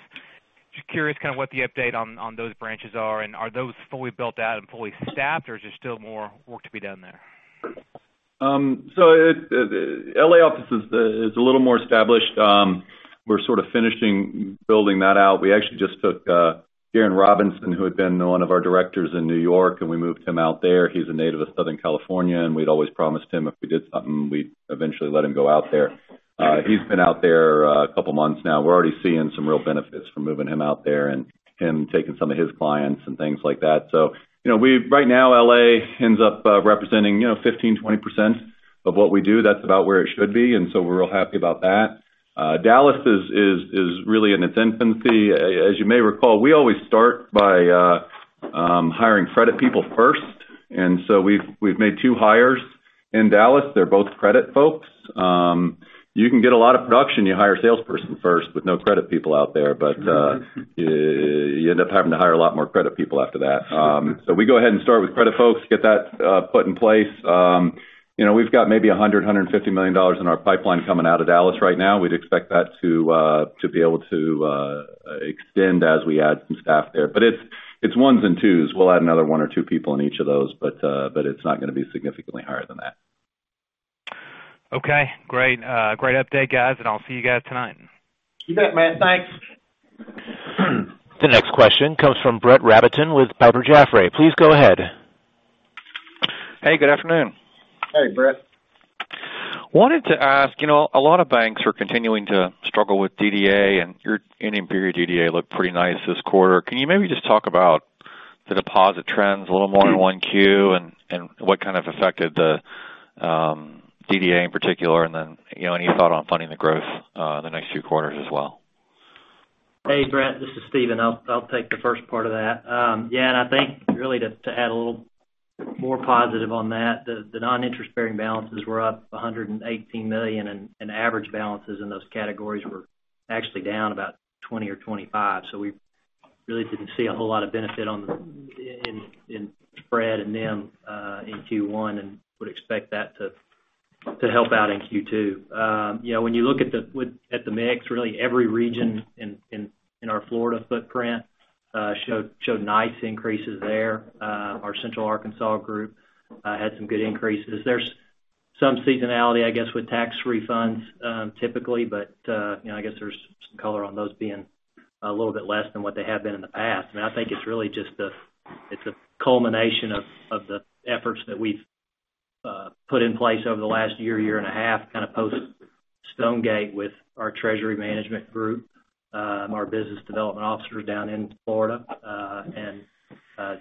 Just curious kind of what the update on those branches are, and are those fully built out and fully staffed, or is there still more work to be done there? The L.A. office is a little more established. We're sort of finishing building that out. We actually just took Darren Robinson, who had been one of our directors in New York, and we moved him out there. He's a native of Southern California, and we'd always promised him if we did something, we'd eventually let him go out there. He's been out there a couple of months now. We're already seeing some real benefits from moving him out there and him taking some of his clients and things like that. Right now, L.A. ends up representing 15%-20% of what we do. That's about where it should be, and we're real happy about that. Dallas is really in its infancy. As you may recall, we always start by hiring credit people first, and we've made two hires in Dallas. They're both credit folks. You can get a lot of production, you hire a salesperson first with no credit people out there, but you end up having to hire a lot more credit people after that. We go ahead and start with credit folks, get that put in place. We've got maybe $100 million-$150 million in our pipeline coming out of Dallas right now. We'd expect that to be able to extend as we add some staff there, but it's ones and twos. We'll add another one or two people in each of those, but it's not going to be significantly higher than that. Okay, great. Great update, guys, and I'll see you guys tonight. You bet, Matt. Thanks. The next question comes from Brett Rabatin with Piper Jaffray. Please go ahead. Hey, good afternoon. Hey, Brett. Wanted to ask, a lot of banks are continuing to struggle with DDA. Your ending period DDA looked pretty nice this quarter. Can you maybe just talk about the deposit trends a little more in 1Q, and what kind of affected the DDA in particular, and then any thought on funding the growth in the next few quarters as well? Hey, Brett, this is Stephen. I'll take the first part of that. Yeah, and I think really to add a little more positive on that, the non-interest-bearing balances were up $118 million, and average balances in those categories were actually down about 20 or 25. We really didn't see a whole lot of benefit in spread in them in Q1 and would expect that to help out in Q2. When you look at the mix, really every region in our Florida footprint showed nice increases there. Our Central Arkansas group had some good increases. There's some seasonality, I guess, with tax refunds, typically, but I guess there's some color on those being a little bit less than what they have been in the past. I think it's really just a culmination of the efforts that we've put in place over the last year and a half, kind of post Stonegate Bank with our treasury management group, our business development officers down in Florida, and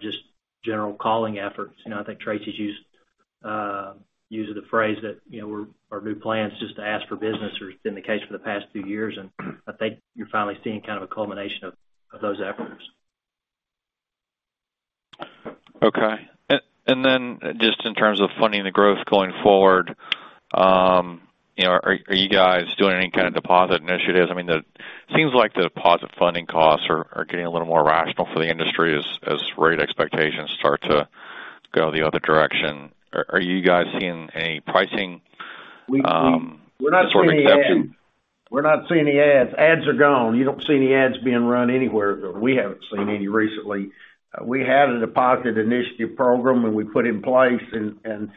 just general calling efforts. I think Tracy used a phrase that our new plan is just to ask for business or has been the case for the past few years, and I think you're finally seeing kind of a culmination of those efforts. Okay. Just in terms of funding the growth going forward, are you guys doing any kind of deposit initiatives? It seems like the deposit funding costs are getting a little more rational for the industry as rate expectations start to go the other direction. Are you guys seeing any pricing sort of exception? We're not seeing any ads. Ads are gone. You don't see any ads being run anywhere, or we haven't seen any recently. We had a deposit initiative program, and we put in place, and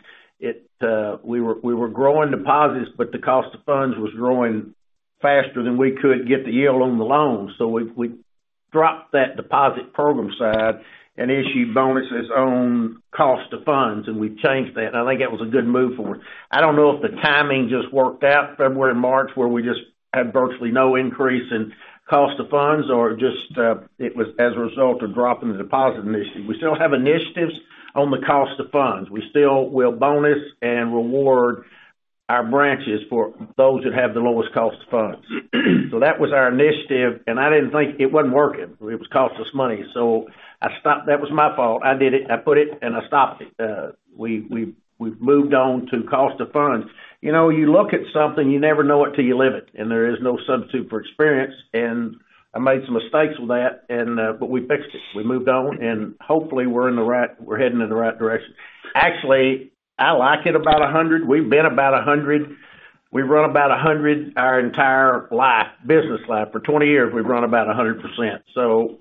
we were growing deposits, the cost of funds was growing faster than we could get the yield on the loans. We dropped that deposit program side and issued bonuses on cost of funds, and we've changed that, and I think that was a good move for us. I don't know if the timing just worked out February and March, where we just had virtually no increase in cost of funds, or just it was as a result of dropping the deposit initiative. We still have initiatives on the cost of funds. We still will bonus and reward our branches for those that have the lowest cost of funds. That was our initiative, and I didn't think. It wasn't working. It was costing us money. I stopped. That was my fault. I did it, I put it, and I stopped it. We've moved on to cost of funds. You look at something, you never know it till you live it, and there is no substitute for experience, and I made some mistakes with that, we fixed it. We moved on, and hopefully we're heading in the right direction. Actually, I like it about 100. We've been about 100. We've run about 100 our entire life, business life. For 20 years, we've run about 100%.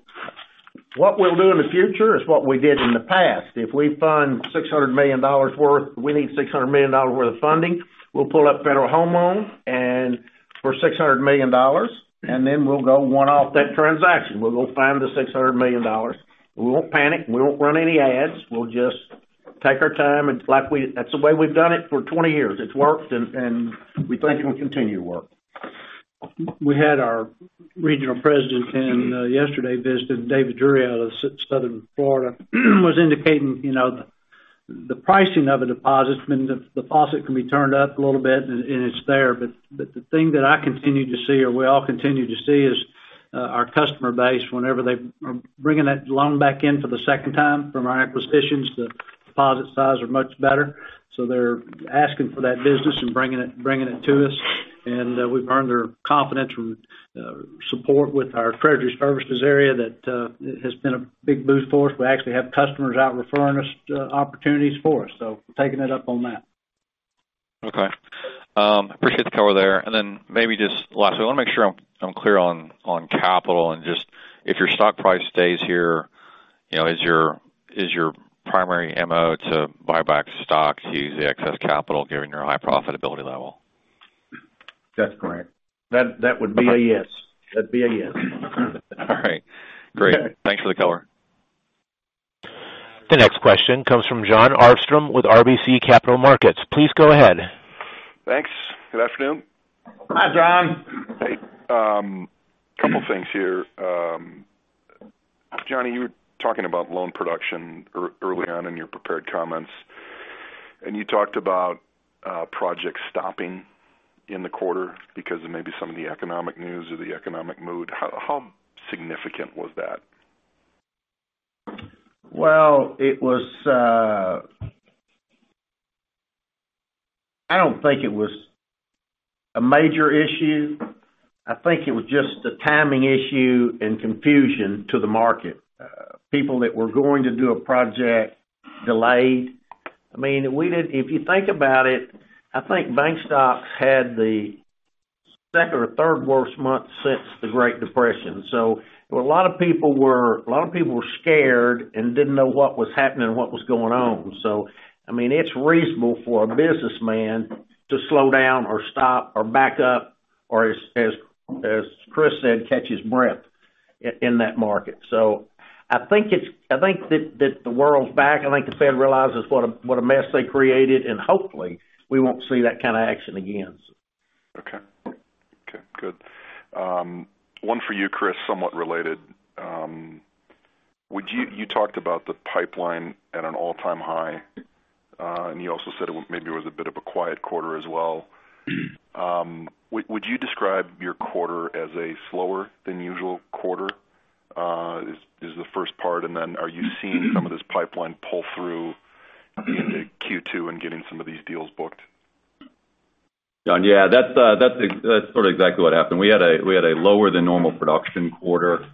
What we'll do in the future is what we did in the past. If we fund $600 million worth, we need $600 million worth of funding, we'll pull up Federal Home Loan for $600 million, and then we'll go one off that transaction. We'll go find the $600 million. We won't panic. We won't run any ads. We'll just take our time, that's the way we've done it for 20 years. It's worked, and we think it will continue to work. We had our regional president in yesterday visit, and David Duryea out of Southern Florida was indicating the pricing of a deposit, the deposit can be turned up a little bit, and it's there. The thing that I continue to see, or we all continue to see, is our customer base, whenever they are bringing that loan back in for the second time from our acquisitions, the deposit size are much better. They're asking for that business and bringing it to us, and we've earned their confidence and support with our treasury services area. That has been a big boost for us. We actually have customers out referring us to opportunities for us, so we're taking it up on that. Okay. Appreciate the color there. Maybe just lastly, I want to make sure I'm clear on capital and just if your stock price stays here, is your primary MO to buy back stock to use the excess capital given your high profitability level? That's correct. That would be a yes. That'd be a yes. All right. Great. Thanks for the color. The next question comes from Jon Arfstrom with RBC Capital Markets. Please go ahead. Thanks. Good afternoon. Hi, Jon. Hey. Couple things here. Johnny, you were talking about loan production early on in your prepared comments, you talked about projects stopping in the quarter because of maybe some of the economic news or the economic mood. How significant was that? Well, I don't think it was a major issue. I think it was just a timing issue and confusion to the market. People that were going to do a project delayed. If you think about it, I think bank stocks had the second or third worst month since the Great Depression. A lot of people were scared and didn't know what was happening or what was going on. It's reasonable for a businessman to slow down or stop or back up or, as Chris said, catch his breath. In that market. I think that the world's back. I think the Fed realizes what a mess they created, hopefully we won't see that kind of action again. Okay. Good. One for you, Chris, somewhat related. You talked about the pipeline at an all-time high, and you also said maybe it was a bit of a quiet quarter as well. Would you describe your quarter as a slower than usual quarter? Is the first part, then are you seeing some of this pipeline pull through into Q2 and getting some of these deals booked? Jon, yeah. That's sort of exactly what happened. We had a lower than normal production quarter.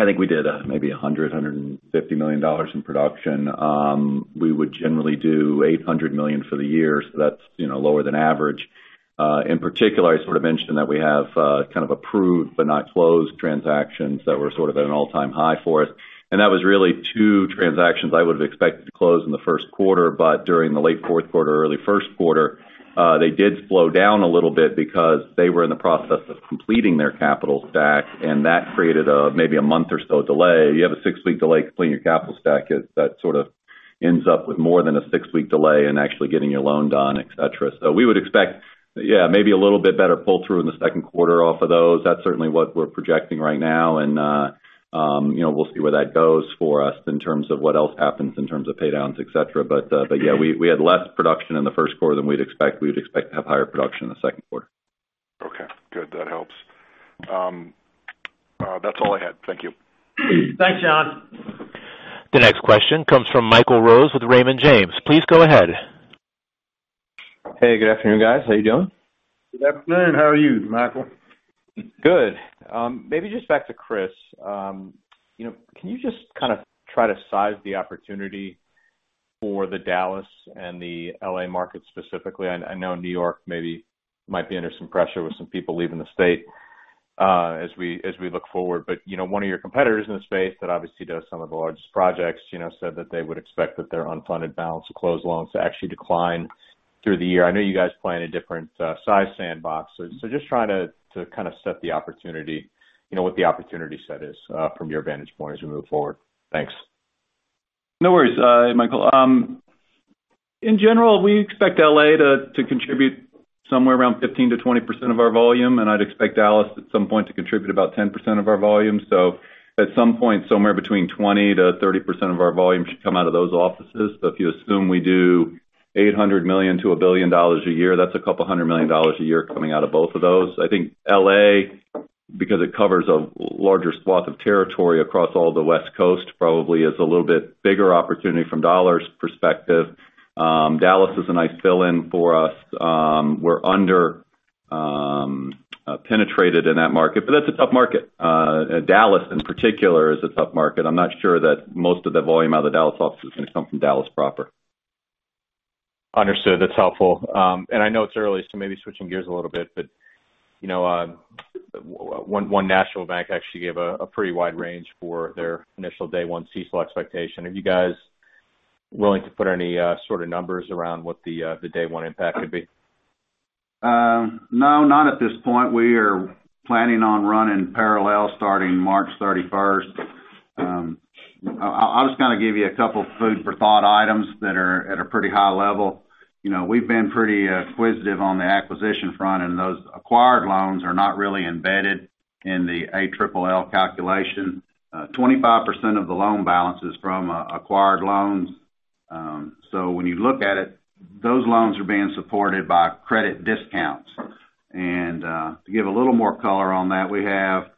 I think we did maybe $100 million-$150 million in production. We would generally do $800 million for the year, that's lower than average. In particular, I sort of mentioned that we have kind of approved but not closed transactions that were sort of at an all-time high for us, that was really two transactions I would've expected to close in the first quarter. During the late fourth quarter, early first quarter, they did slow down a little bit because they were in the process of completing their capital stack, that created maybe a month or so delay. You have a six-week delay completing your capital stack, that sort of ends up with more than a six-week delay in actually getting your loan done, et cetera. We would expect, yeah, maybe a little bit better pull-through in the second quarter off of those. That's certainly what we're projecting right now, we'll see where that goes for us in terms of what else happens in terms of pay-downs, et cetera. Yeah, we had less production in the first quarter than we'd expect. We'd expect to have higher production in the second quarter. Okay, good. That helps. That's all I had. Thank you. Thanks, John. The next question comes from Michael Rose with Raymond James. Please go ahead. Hey, good afternoon, guys. How you doing? Good afternoon. How are you, Michael? Good. Maybe just back to Chris. Can you just kind of try to size the opportunity for the Dallas and the L.A. market specifically? I know New York maybe might be under some pressure with some people leaving the state as we look forward. One of your competitors in the space that obviously does some of the largest projects said that they would expect that their unfunded balance of closed loans to actually decline through the year. I know you guys play in a different size sandbox, just trying to kind of set the opportunity, what the opportunity set is from your vantage point as we move forward. Thanks. No worries, Michael. In general, we expect L.A. to contribute somewhere around 15%-20% of our volume, and I'd expect Dallas at some point to contribute about 10% of our volume. At some point, somewhere between 20%-30% of our volume should come out of those offices. If you assume we do $800 million-$1 billion a year, that's a couple of hundred million dollars a year coming out of both of those. I think L.A., because it covers a larger swath of territory across all the West Coast, probably is a little bit bigger opportunity from dollars perspective. Dallas is a nice fill in for us. We're under-penetrated in that market, that's a tough market. Dallas in particular is a tough market. I'm not sure that most of the volume out of the Dallas office is going to come from Dallas proper. Understood. That's helpful. I know it's early, maybe switching gears a little bit, you know, One National Bank actually gave a pretty wide range for their initial day one CECL expectation. Are you guys willing to put any sort of numbers around what the day one impact could be? No, not at this point. We are planning on running parallel starting March 31st. I'll just kind of give you a couple food for thought items that are at a pretty high level. We've been pretty acquisitive on the acquisition front, those acquired loans are not really embedded in the ALLL calculation. 25% of the loan balance is from acquired loans. When you look at it, those loans are being supported by credit discounts. To give a little more color on that, we have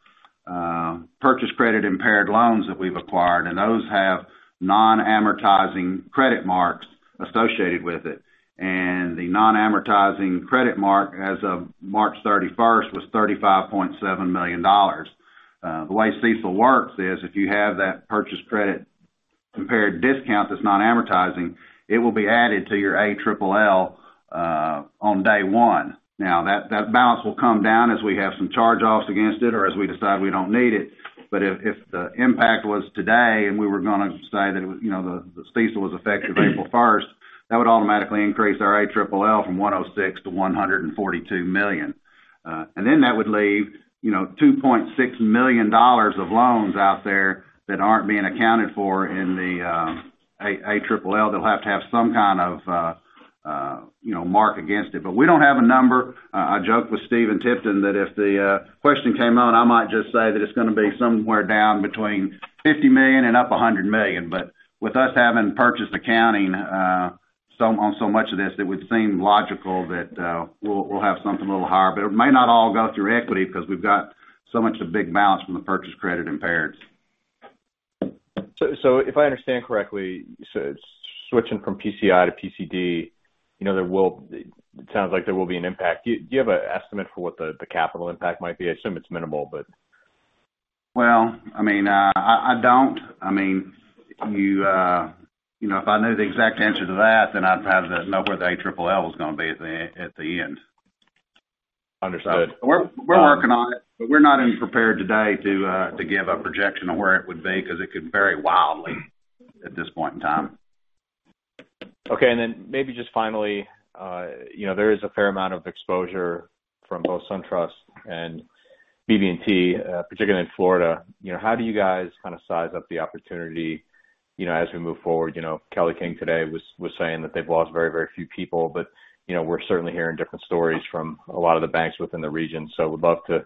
purchase credit-impaired loans that we've acquired, those have non-amortizing credit marks associated with it. The non-amortizing credit mark as of March 31st was $35.7 million. The way CECL works is if you have that purchase credit-impaired discount that's not amortizing, it will be added to your ALLL on day one. That balance will come down as we have some charge-offs against it or as we decide we don't need it. If the impact was today and we were going to say that the CECL was effective April 1st, that would automatically increase our ALLL from $106 million-$142 million. That would leave $2.6 million of loans out there that aren't being accounted for in the ALLL. They'll have to have some kind of mark against it. We don't have a number. I joked with Stephen Tipton that if the question came out, I might just say that it's going to be somewhere down between $50 million and up $100 million. With us having purchase accounting on so much of this, it would seem logical that we'll have something a little higher. It may not all go through equity because we've got so much of big balance from the Purchase Credit Impairments. If I understand correctly, switching from PCI to PCD, it sounds like there will be an impact. Do you have an estimate for what the capital impact might be? I assume it's minimal. Well, I mean. I don't. I mean, if I knew the exact answer to that, then I'd have to know where the ALLL is going to be at the end. Understood. We're working on it, but we're not prepared today to give a projection of where it would be because it could vary wildly at this point in time. Okay. Maybe just finally, there is a fair amount of exposure from both SunTrust and BB&T, particularly in Florida. How do you guys size up the opportunity as we move forward? Kelly King today was saying that they've lost very, very few people, but we're certainly hearing different stories from a lot of the banks within the region. Would love to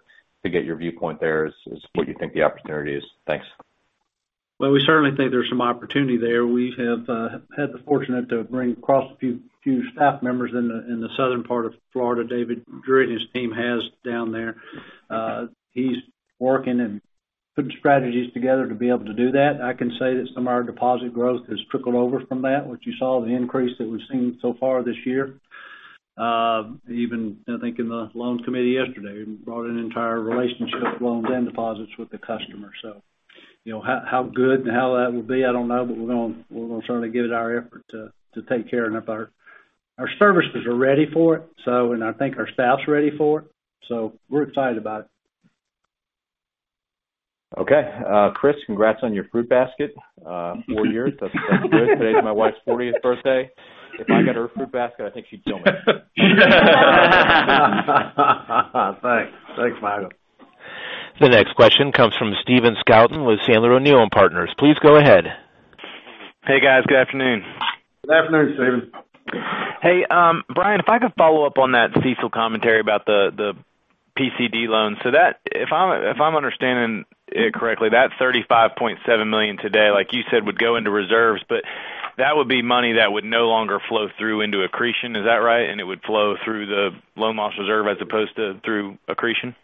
get your viewpoint there, as what you think the opportunity is. Thanks. We certainly think there's some opportunity there. We have had the fortunate to bring across a few staff members in the southern part of Florida. David Duryea and his team has down there. He's working and putting strategies together to be able to do that. I can say that some of our deposit growth has trickled over from that, which you saw the increase that we've seen so far this year. Even, I think, in the loans committee yesterday, brought an entire relationship loans and deposits with the customer. How good and how that will be, I don't know, but we're going to certainly give it our effort to take care of it. Our services are ready for it, and I think our staff's ready for it, so we're excited about it. Okay. Chris, congrats on your fruit basket. Four years, that's good. Today's my wife's 40th birthday. If I get her a fruit basket, I think she'd kill me. Thanks, Michael. The next question comes from Stephen Scouten with Sandler O'Neill & Partners. Please go ahead. Hey, guys. Good afternoon. Good afternoon, Stephen. Hey, Brian, if I could follow up on that CECL commentary about the PCD loans. If I'm understanding it correctly, that $35.7 million today, like you said, would go into reserves, that would be money that would no longer flow through into accretion. Is that right? It would flow through the loan loss reserve as opposed to through accretion?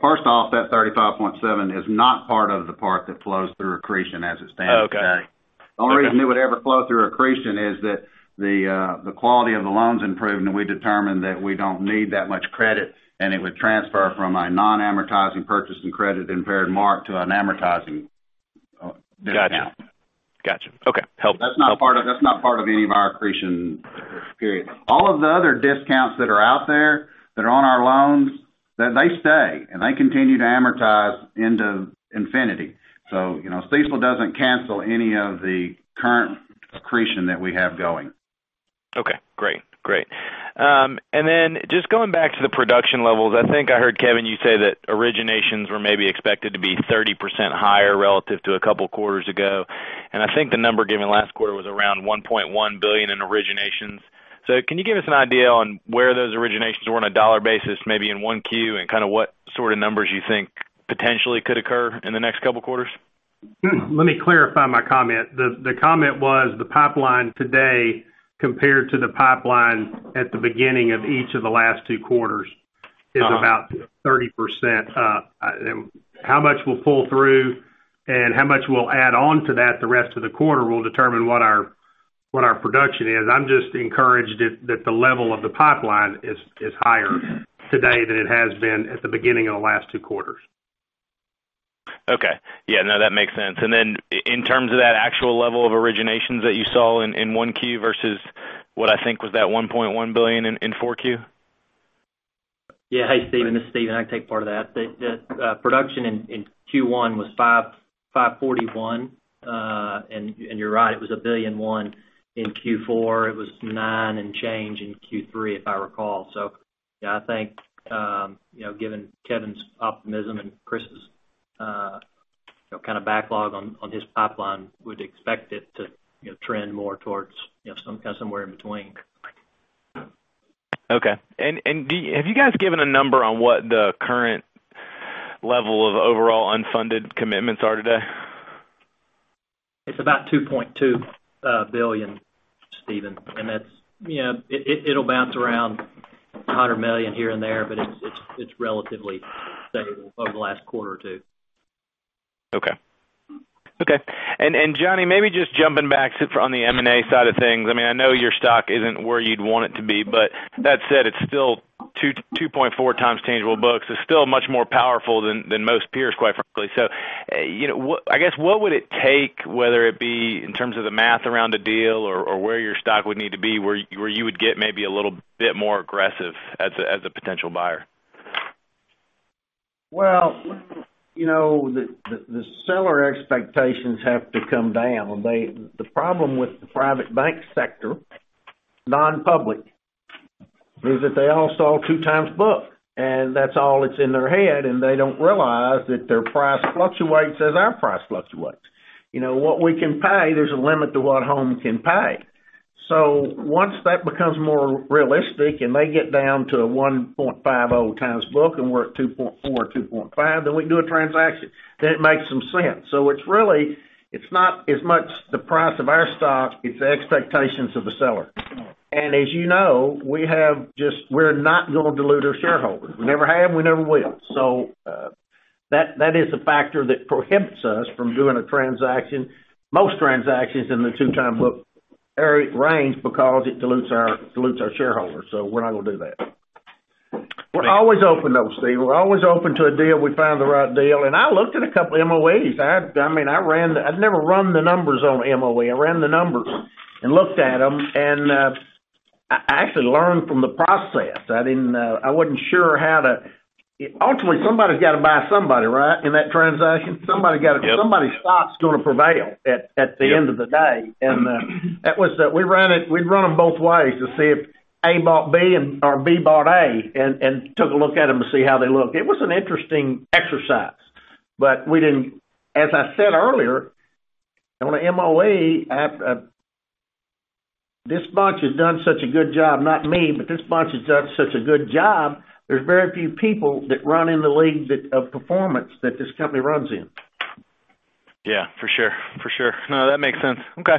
First off, that $35.7 is not part of the part that flows through accretion as it stands today. Okay. The only reason it would ever flow through accretion is that the quality of the loan's improved, we determine that we don't need that much credit, it would transfer from a non-amortizing purchase credit-impaired mark to an amortizing discount. Got you. Okay. Helpful. That's not part of any of our accretion period. All of the other discounts that are out there that are on our loans, then they stay, and they continue to amortize into infinity. CECL doesn't cancel any of the current accretion that we have going. Okay, great. Just going back to the production levels, I think I heard, Kevin, you say that originations were maybe expected to be 30% higher relative to a couple of quarters ago, and I think the number given last quarter was around $1.1 billion in originations. Can you give us an idea on where those originations were on a dollar basis, maybe in 1Q, and kind of what sort of numbers you think potentially could occur in the next couple of quarters? Let me clarify my comment. The comment was the pipeline today compared to the pipeline at the beginning of each of the last two quarters is about 30% up. How much we'll pull through and how much we'll add on to that the rest of the quarter will determine what our production is. I'm just encouraged that the level of the pipeline is higher today than it has been at the beginning of the last two quarters. Okay. Yeah, no, that makes sense. In terms of that actual level of originations that you saw in 1Q versus what I think was that $1.1 billion in 4Q? Yeah. Hey, Stephen, this is Stephen. I can take part of that. The production in Q1 was $541, and you're right, it was $1.1 billion in Q4. It was nine and change in Q3, if I recall. Yeah, I think, given Kevin's optimism and Chris's kind of backlog on his pipeline, would expect it to trend more towards kind of somewhere in between. Okay. Have you guys given a number on what the current level of overall unfunded commitments are today? It's about $2.2 billion, Stephen. It'll bounce around $100 million here and there, but it's relatively stable over the last quarter or two. Okay. John, maybe just jumping back on the M&A side of things. I know your stock isn't where you'd want it to be, but that said, it's still 2.4x tangible books. It's still much more powerful than most peers, quite frankly. I guess what would it take, whether it be in terms of the math around a deal or where your stock would need to be, where you would get maybe a little bit more aggressive as a potential buyer? Well, you know, the seller expectations have to come down. The problem with the private bank sector, non-public, is that they all saw 2 times book, and that's all that's in their head, and they don't realize that their price fluctuates as our price fluctuates. What we can pay, there's a limit to what Home can pay. Once that becomes more realistic and they get down to a 1.50 times book and we're at 2.4, 2.5, then we can do a transaction. It makes some sense. It's not as much the price of our stock, it's the expectations of the seller. As you know, we're not going to dilute our shareholders. We never have, we never will. That is a factor that prohibits us from doing a transaction, most transactions in the two-time book range because it dilutes our shareholders. We're not going to do that. We're always open, though, Stephen. We're always open to a deal. We find the right deal. I looked at a couple of MOEs. I'd never run the numbers on MOE. I ran the numbers and looked at them. I actually learned from the process. Ultimately, somebody's got to buy somebody, right? In that transaction. Yep. Somebody's stock's going to prevail at the end of the day. Yep. We'd run them both ways to see if A bought B or B bought A, and took a look at them to see how they looked. It was an interesting exercise, but as I said earlier, on an MOE, this bunch has done such a good job, not me, but this bunch has done such a good job, there's very few people that run in the league of performance that this company runs in. Yeah, for sure. No, that makes sense. Okay.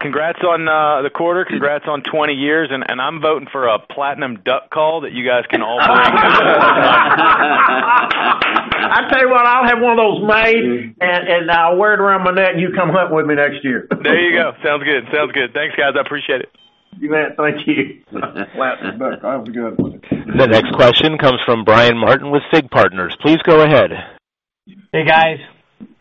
Congrats on the quarter. Congrats on 20 years. I'm voting for a platinum duck call that you guys can all bring. I tell you what, I'll have one of those made, and I'll wear it around my neck, and you come hunt with me next year. There you go. Sounds good. Thanks, guys. I appreciate it. You bet. Thank you. Platinum duck. That was a good one. The next question comes from Brian Martin with FIG Partners. Please go ahead. Hey, guys.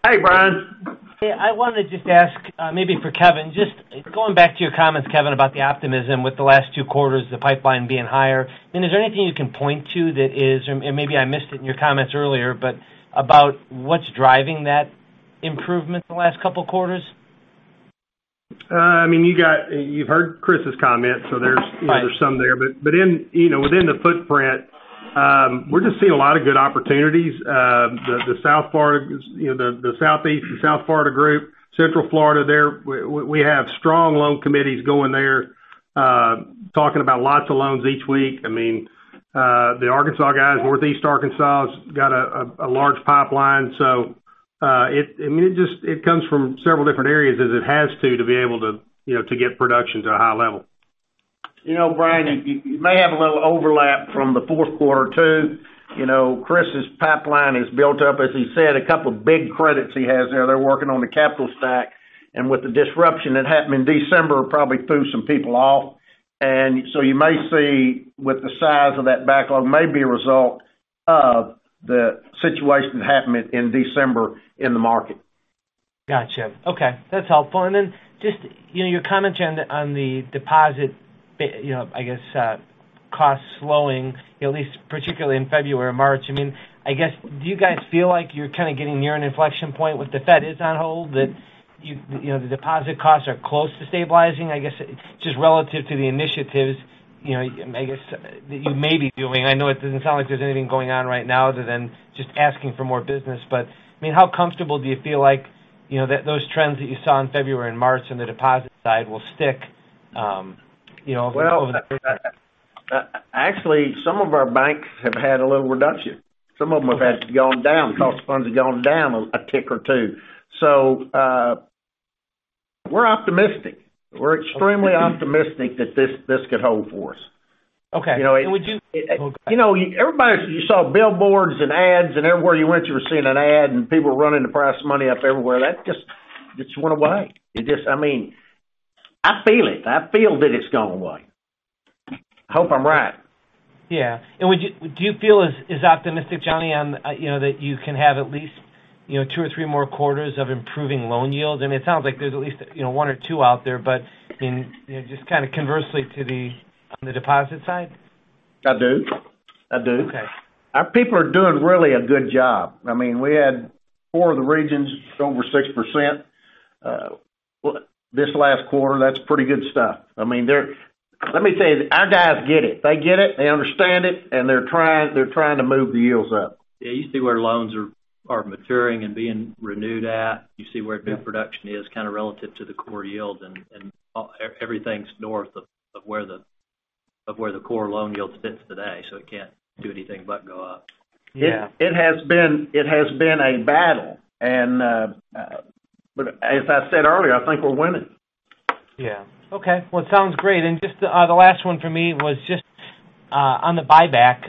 Hey, Brian. Hey, I want to just ask, maybe for Kevin, just going back to your comments, Kevin, about the optimism with the last two quarters, the pipeline being higher. Is there anything you can point to that is, or maybe I missed it in your comments earlier, but about what's driving that improvement the last couple of quarters? You've heard Chris's comments, so there's some there. Right. Within the footprint, we're just seeing a lot of good opportunities. The Southeast and South Florida group, Central Florida there, we have strong loan committees going there, talking about lots of loans each week. The Arkansas guys, Northeast Arkansas has got a large pipeline. It comes from several different areas as it has to be able to get production to a high level. Brian, you may have a little overlap from the fourth quarter, too. Chris's pipeline has built up. As he said, a couple of big credits he has there. They're working on the capital stack, and with the disruption that happened in December, it probably threw some people off. You may see with the size of that backlog may be a result of the situation that happened in December in the market. Got you. Okay, that's helpful. Just your comment on the deposit, I guess, cost slowing, at least particularly in February or March. I guess, do you guys feel like you're kind of getting near an inflection point with the Fed is on hold, that the deposit costs are close to stabilizing, I guess, just relative to the initiatives, I guess, that you may be doing? I know it doesn't sound like there's anything going on right now other than just asking for more business. How comfortable do you feel like those trends that you saw in February and March on the deposit side will stick? Well, actually, some of our banks have had a little reduction. Some of them have actually gone down. Cost of funds have gone down a tick or two. We're optimistic. We're extremely optimistic that this could hold for us. Okay. Everybody, you saw billboards and ads, and everywhere you went, you were seeing an ad and people running to price money up everywhere. That just went away. I feel it. I feel that it's gone away. Hope I'm right. Yeah. Do you feel as optimistic, John, that you can have at least two or three more quarters of improving loan yield? It sounds like there's at least one or two out there, but just kind of conversely on the deposit side? I do. Okay. Our people are doing really a good job. We had four of the regions over 6% this last quarter. That's pretty good stuff. Let me tell you, our guys get it. They get it, they understand it, and they're trying to move the yields up. Yeah, you see where loans are maturing and being renewed at. You see where new production is kind of relative to the core yield, and everything's north of where the core loan yield sits today, so it can't do anything but go up. Yeah. It has been a battle. As I said earlier, I think we're winning. Yeah. Okay. Well, it sounds great. Just the last one from me was just on the buyback.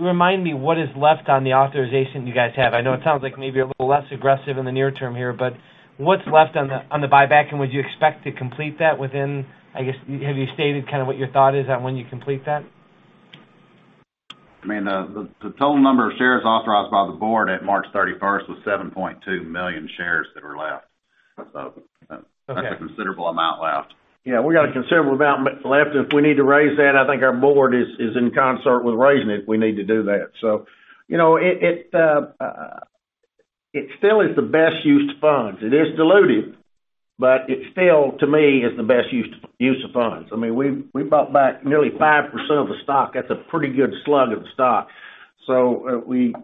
Remind me what is left on the authorization you guys have. I know it sounds like maybe a little less aggressive in the near term here, but what's left on the buyback, and would you expect to complete that within, I guess, have you stated kind of what your thought is on when you complete that? The total number of shares authorized by the board at March 31st was 7.2 million shares that were left. Okay. That's a considerable amount left. Yeah, we got a considerable amount left. If we need to raise that, I think our board is in concert with raising it, if we need to do that. It still is the best use of funds. It is dilutive, but it still, to me, is the best use of funds. We bought back nearly 5% of the stock. That's a pretty good slug of the stock. We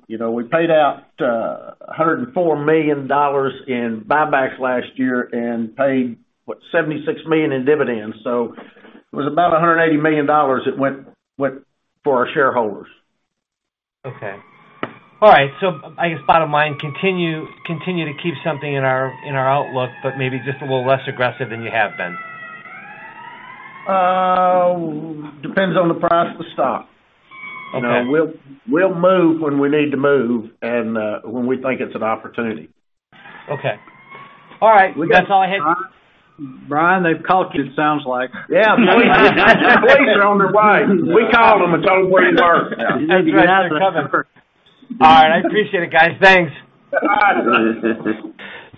paid out $104 million in buybacks last year and paid, what, $76 million in dividends. It was about $180 million that went for our shareholders. Okay. All right. I guess bottom line, continue to keep something in our outlook, but maybe just a little less aggressive than you have been? Depends on the price of the stock. Okay. We'll move when we need to move and when we think it's an opportunity. Okay. All right. That's all I had. Brian, they've called you, it sounds like. Yeah. The police are on their way. We called them and told them where you are. That's right, they're coming. All right. I appreciate it, guys. Thanks. Bye.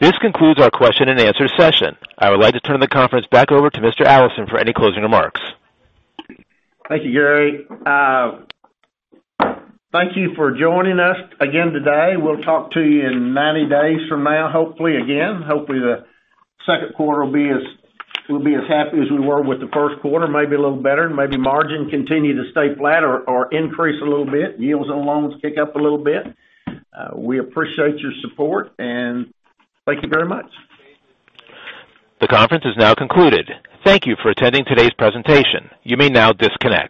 This concludes our question-and-answer session. I would like to turn the conference back over to Mr. Allison for any closing remarks. Thank you, Gary. Thank you for joining us again today. We'll talk to you in 90 days from now, hopefully again. Hopefully, the second quarter, we'll be as happy as we were with the first quarter, maybe a little better. Maybe margin continue to stay flat or increase a little bit, yields on loans kick up a little bit. We appreciate your support, and thank you very much. The conference is now concluded. Thank you for attending today's presentation. You may now disconnect.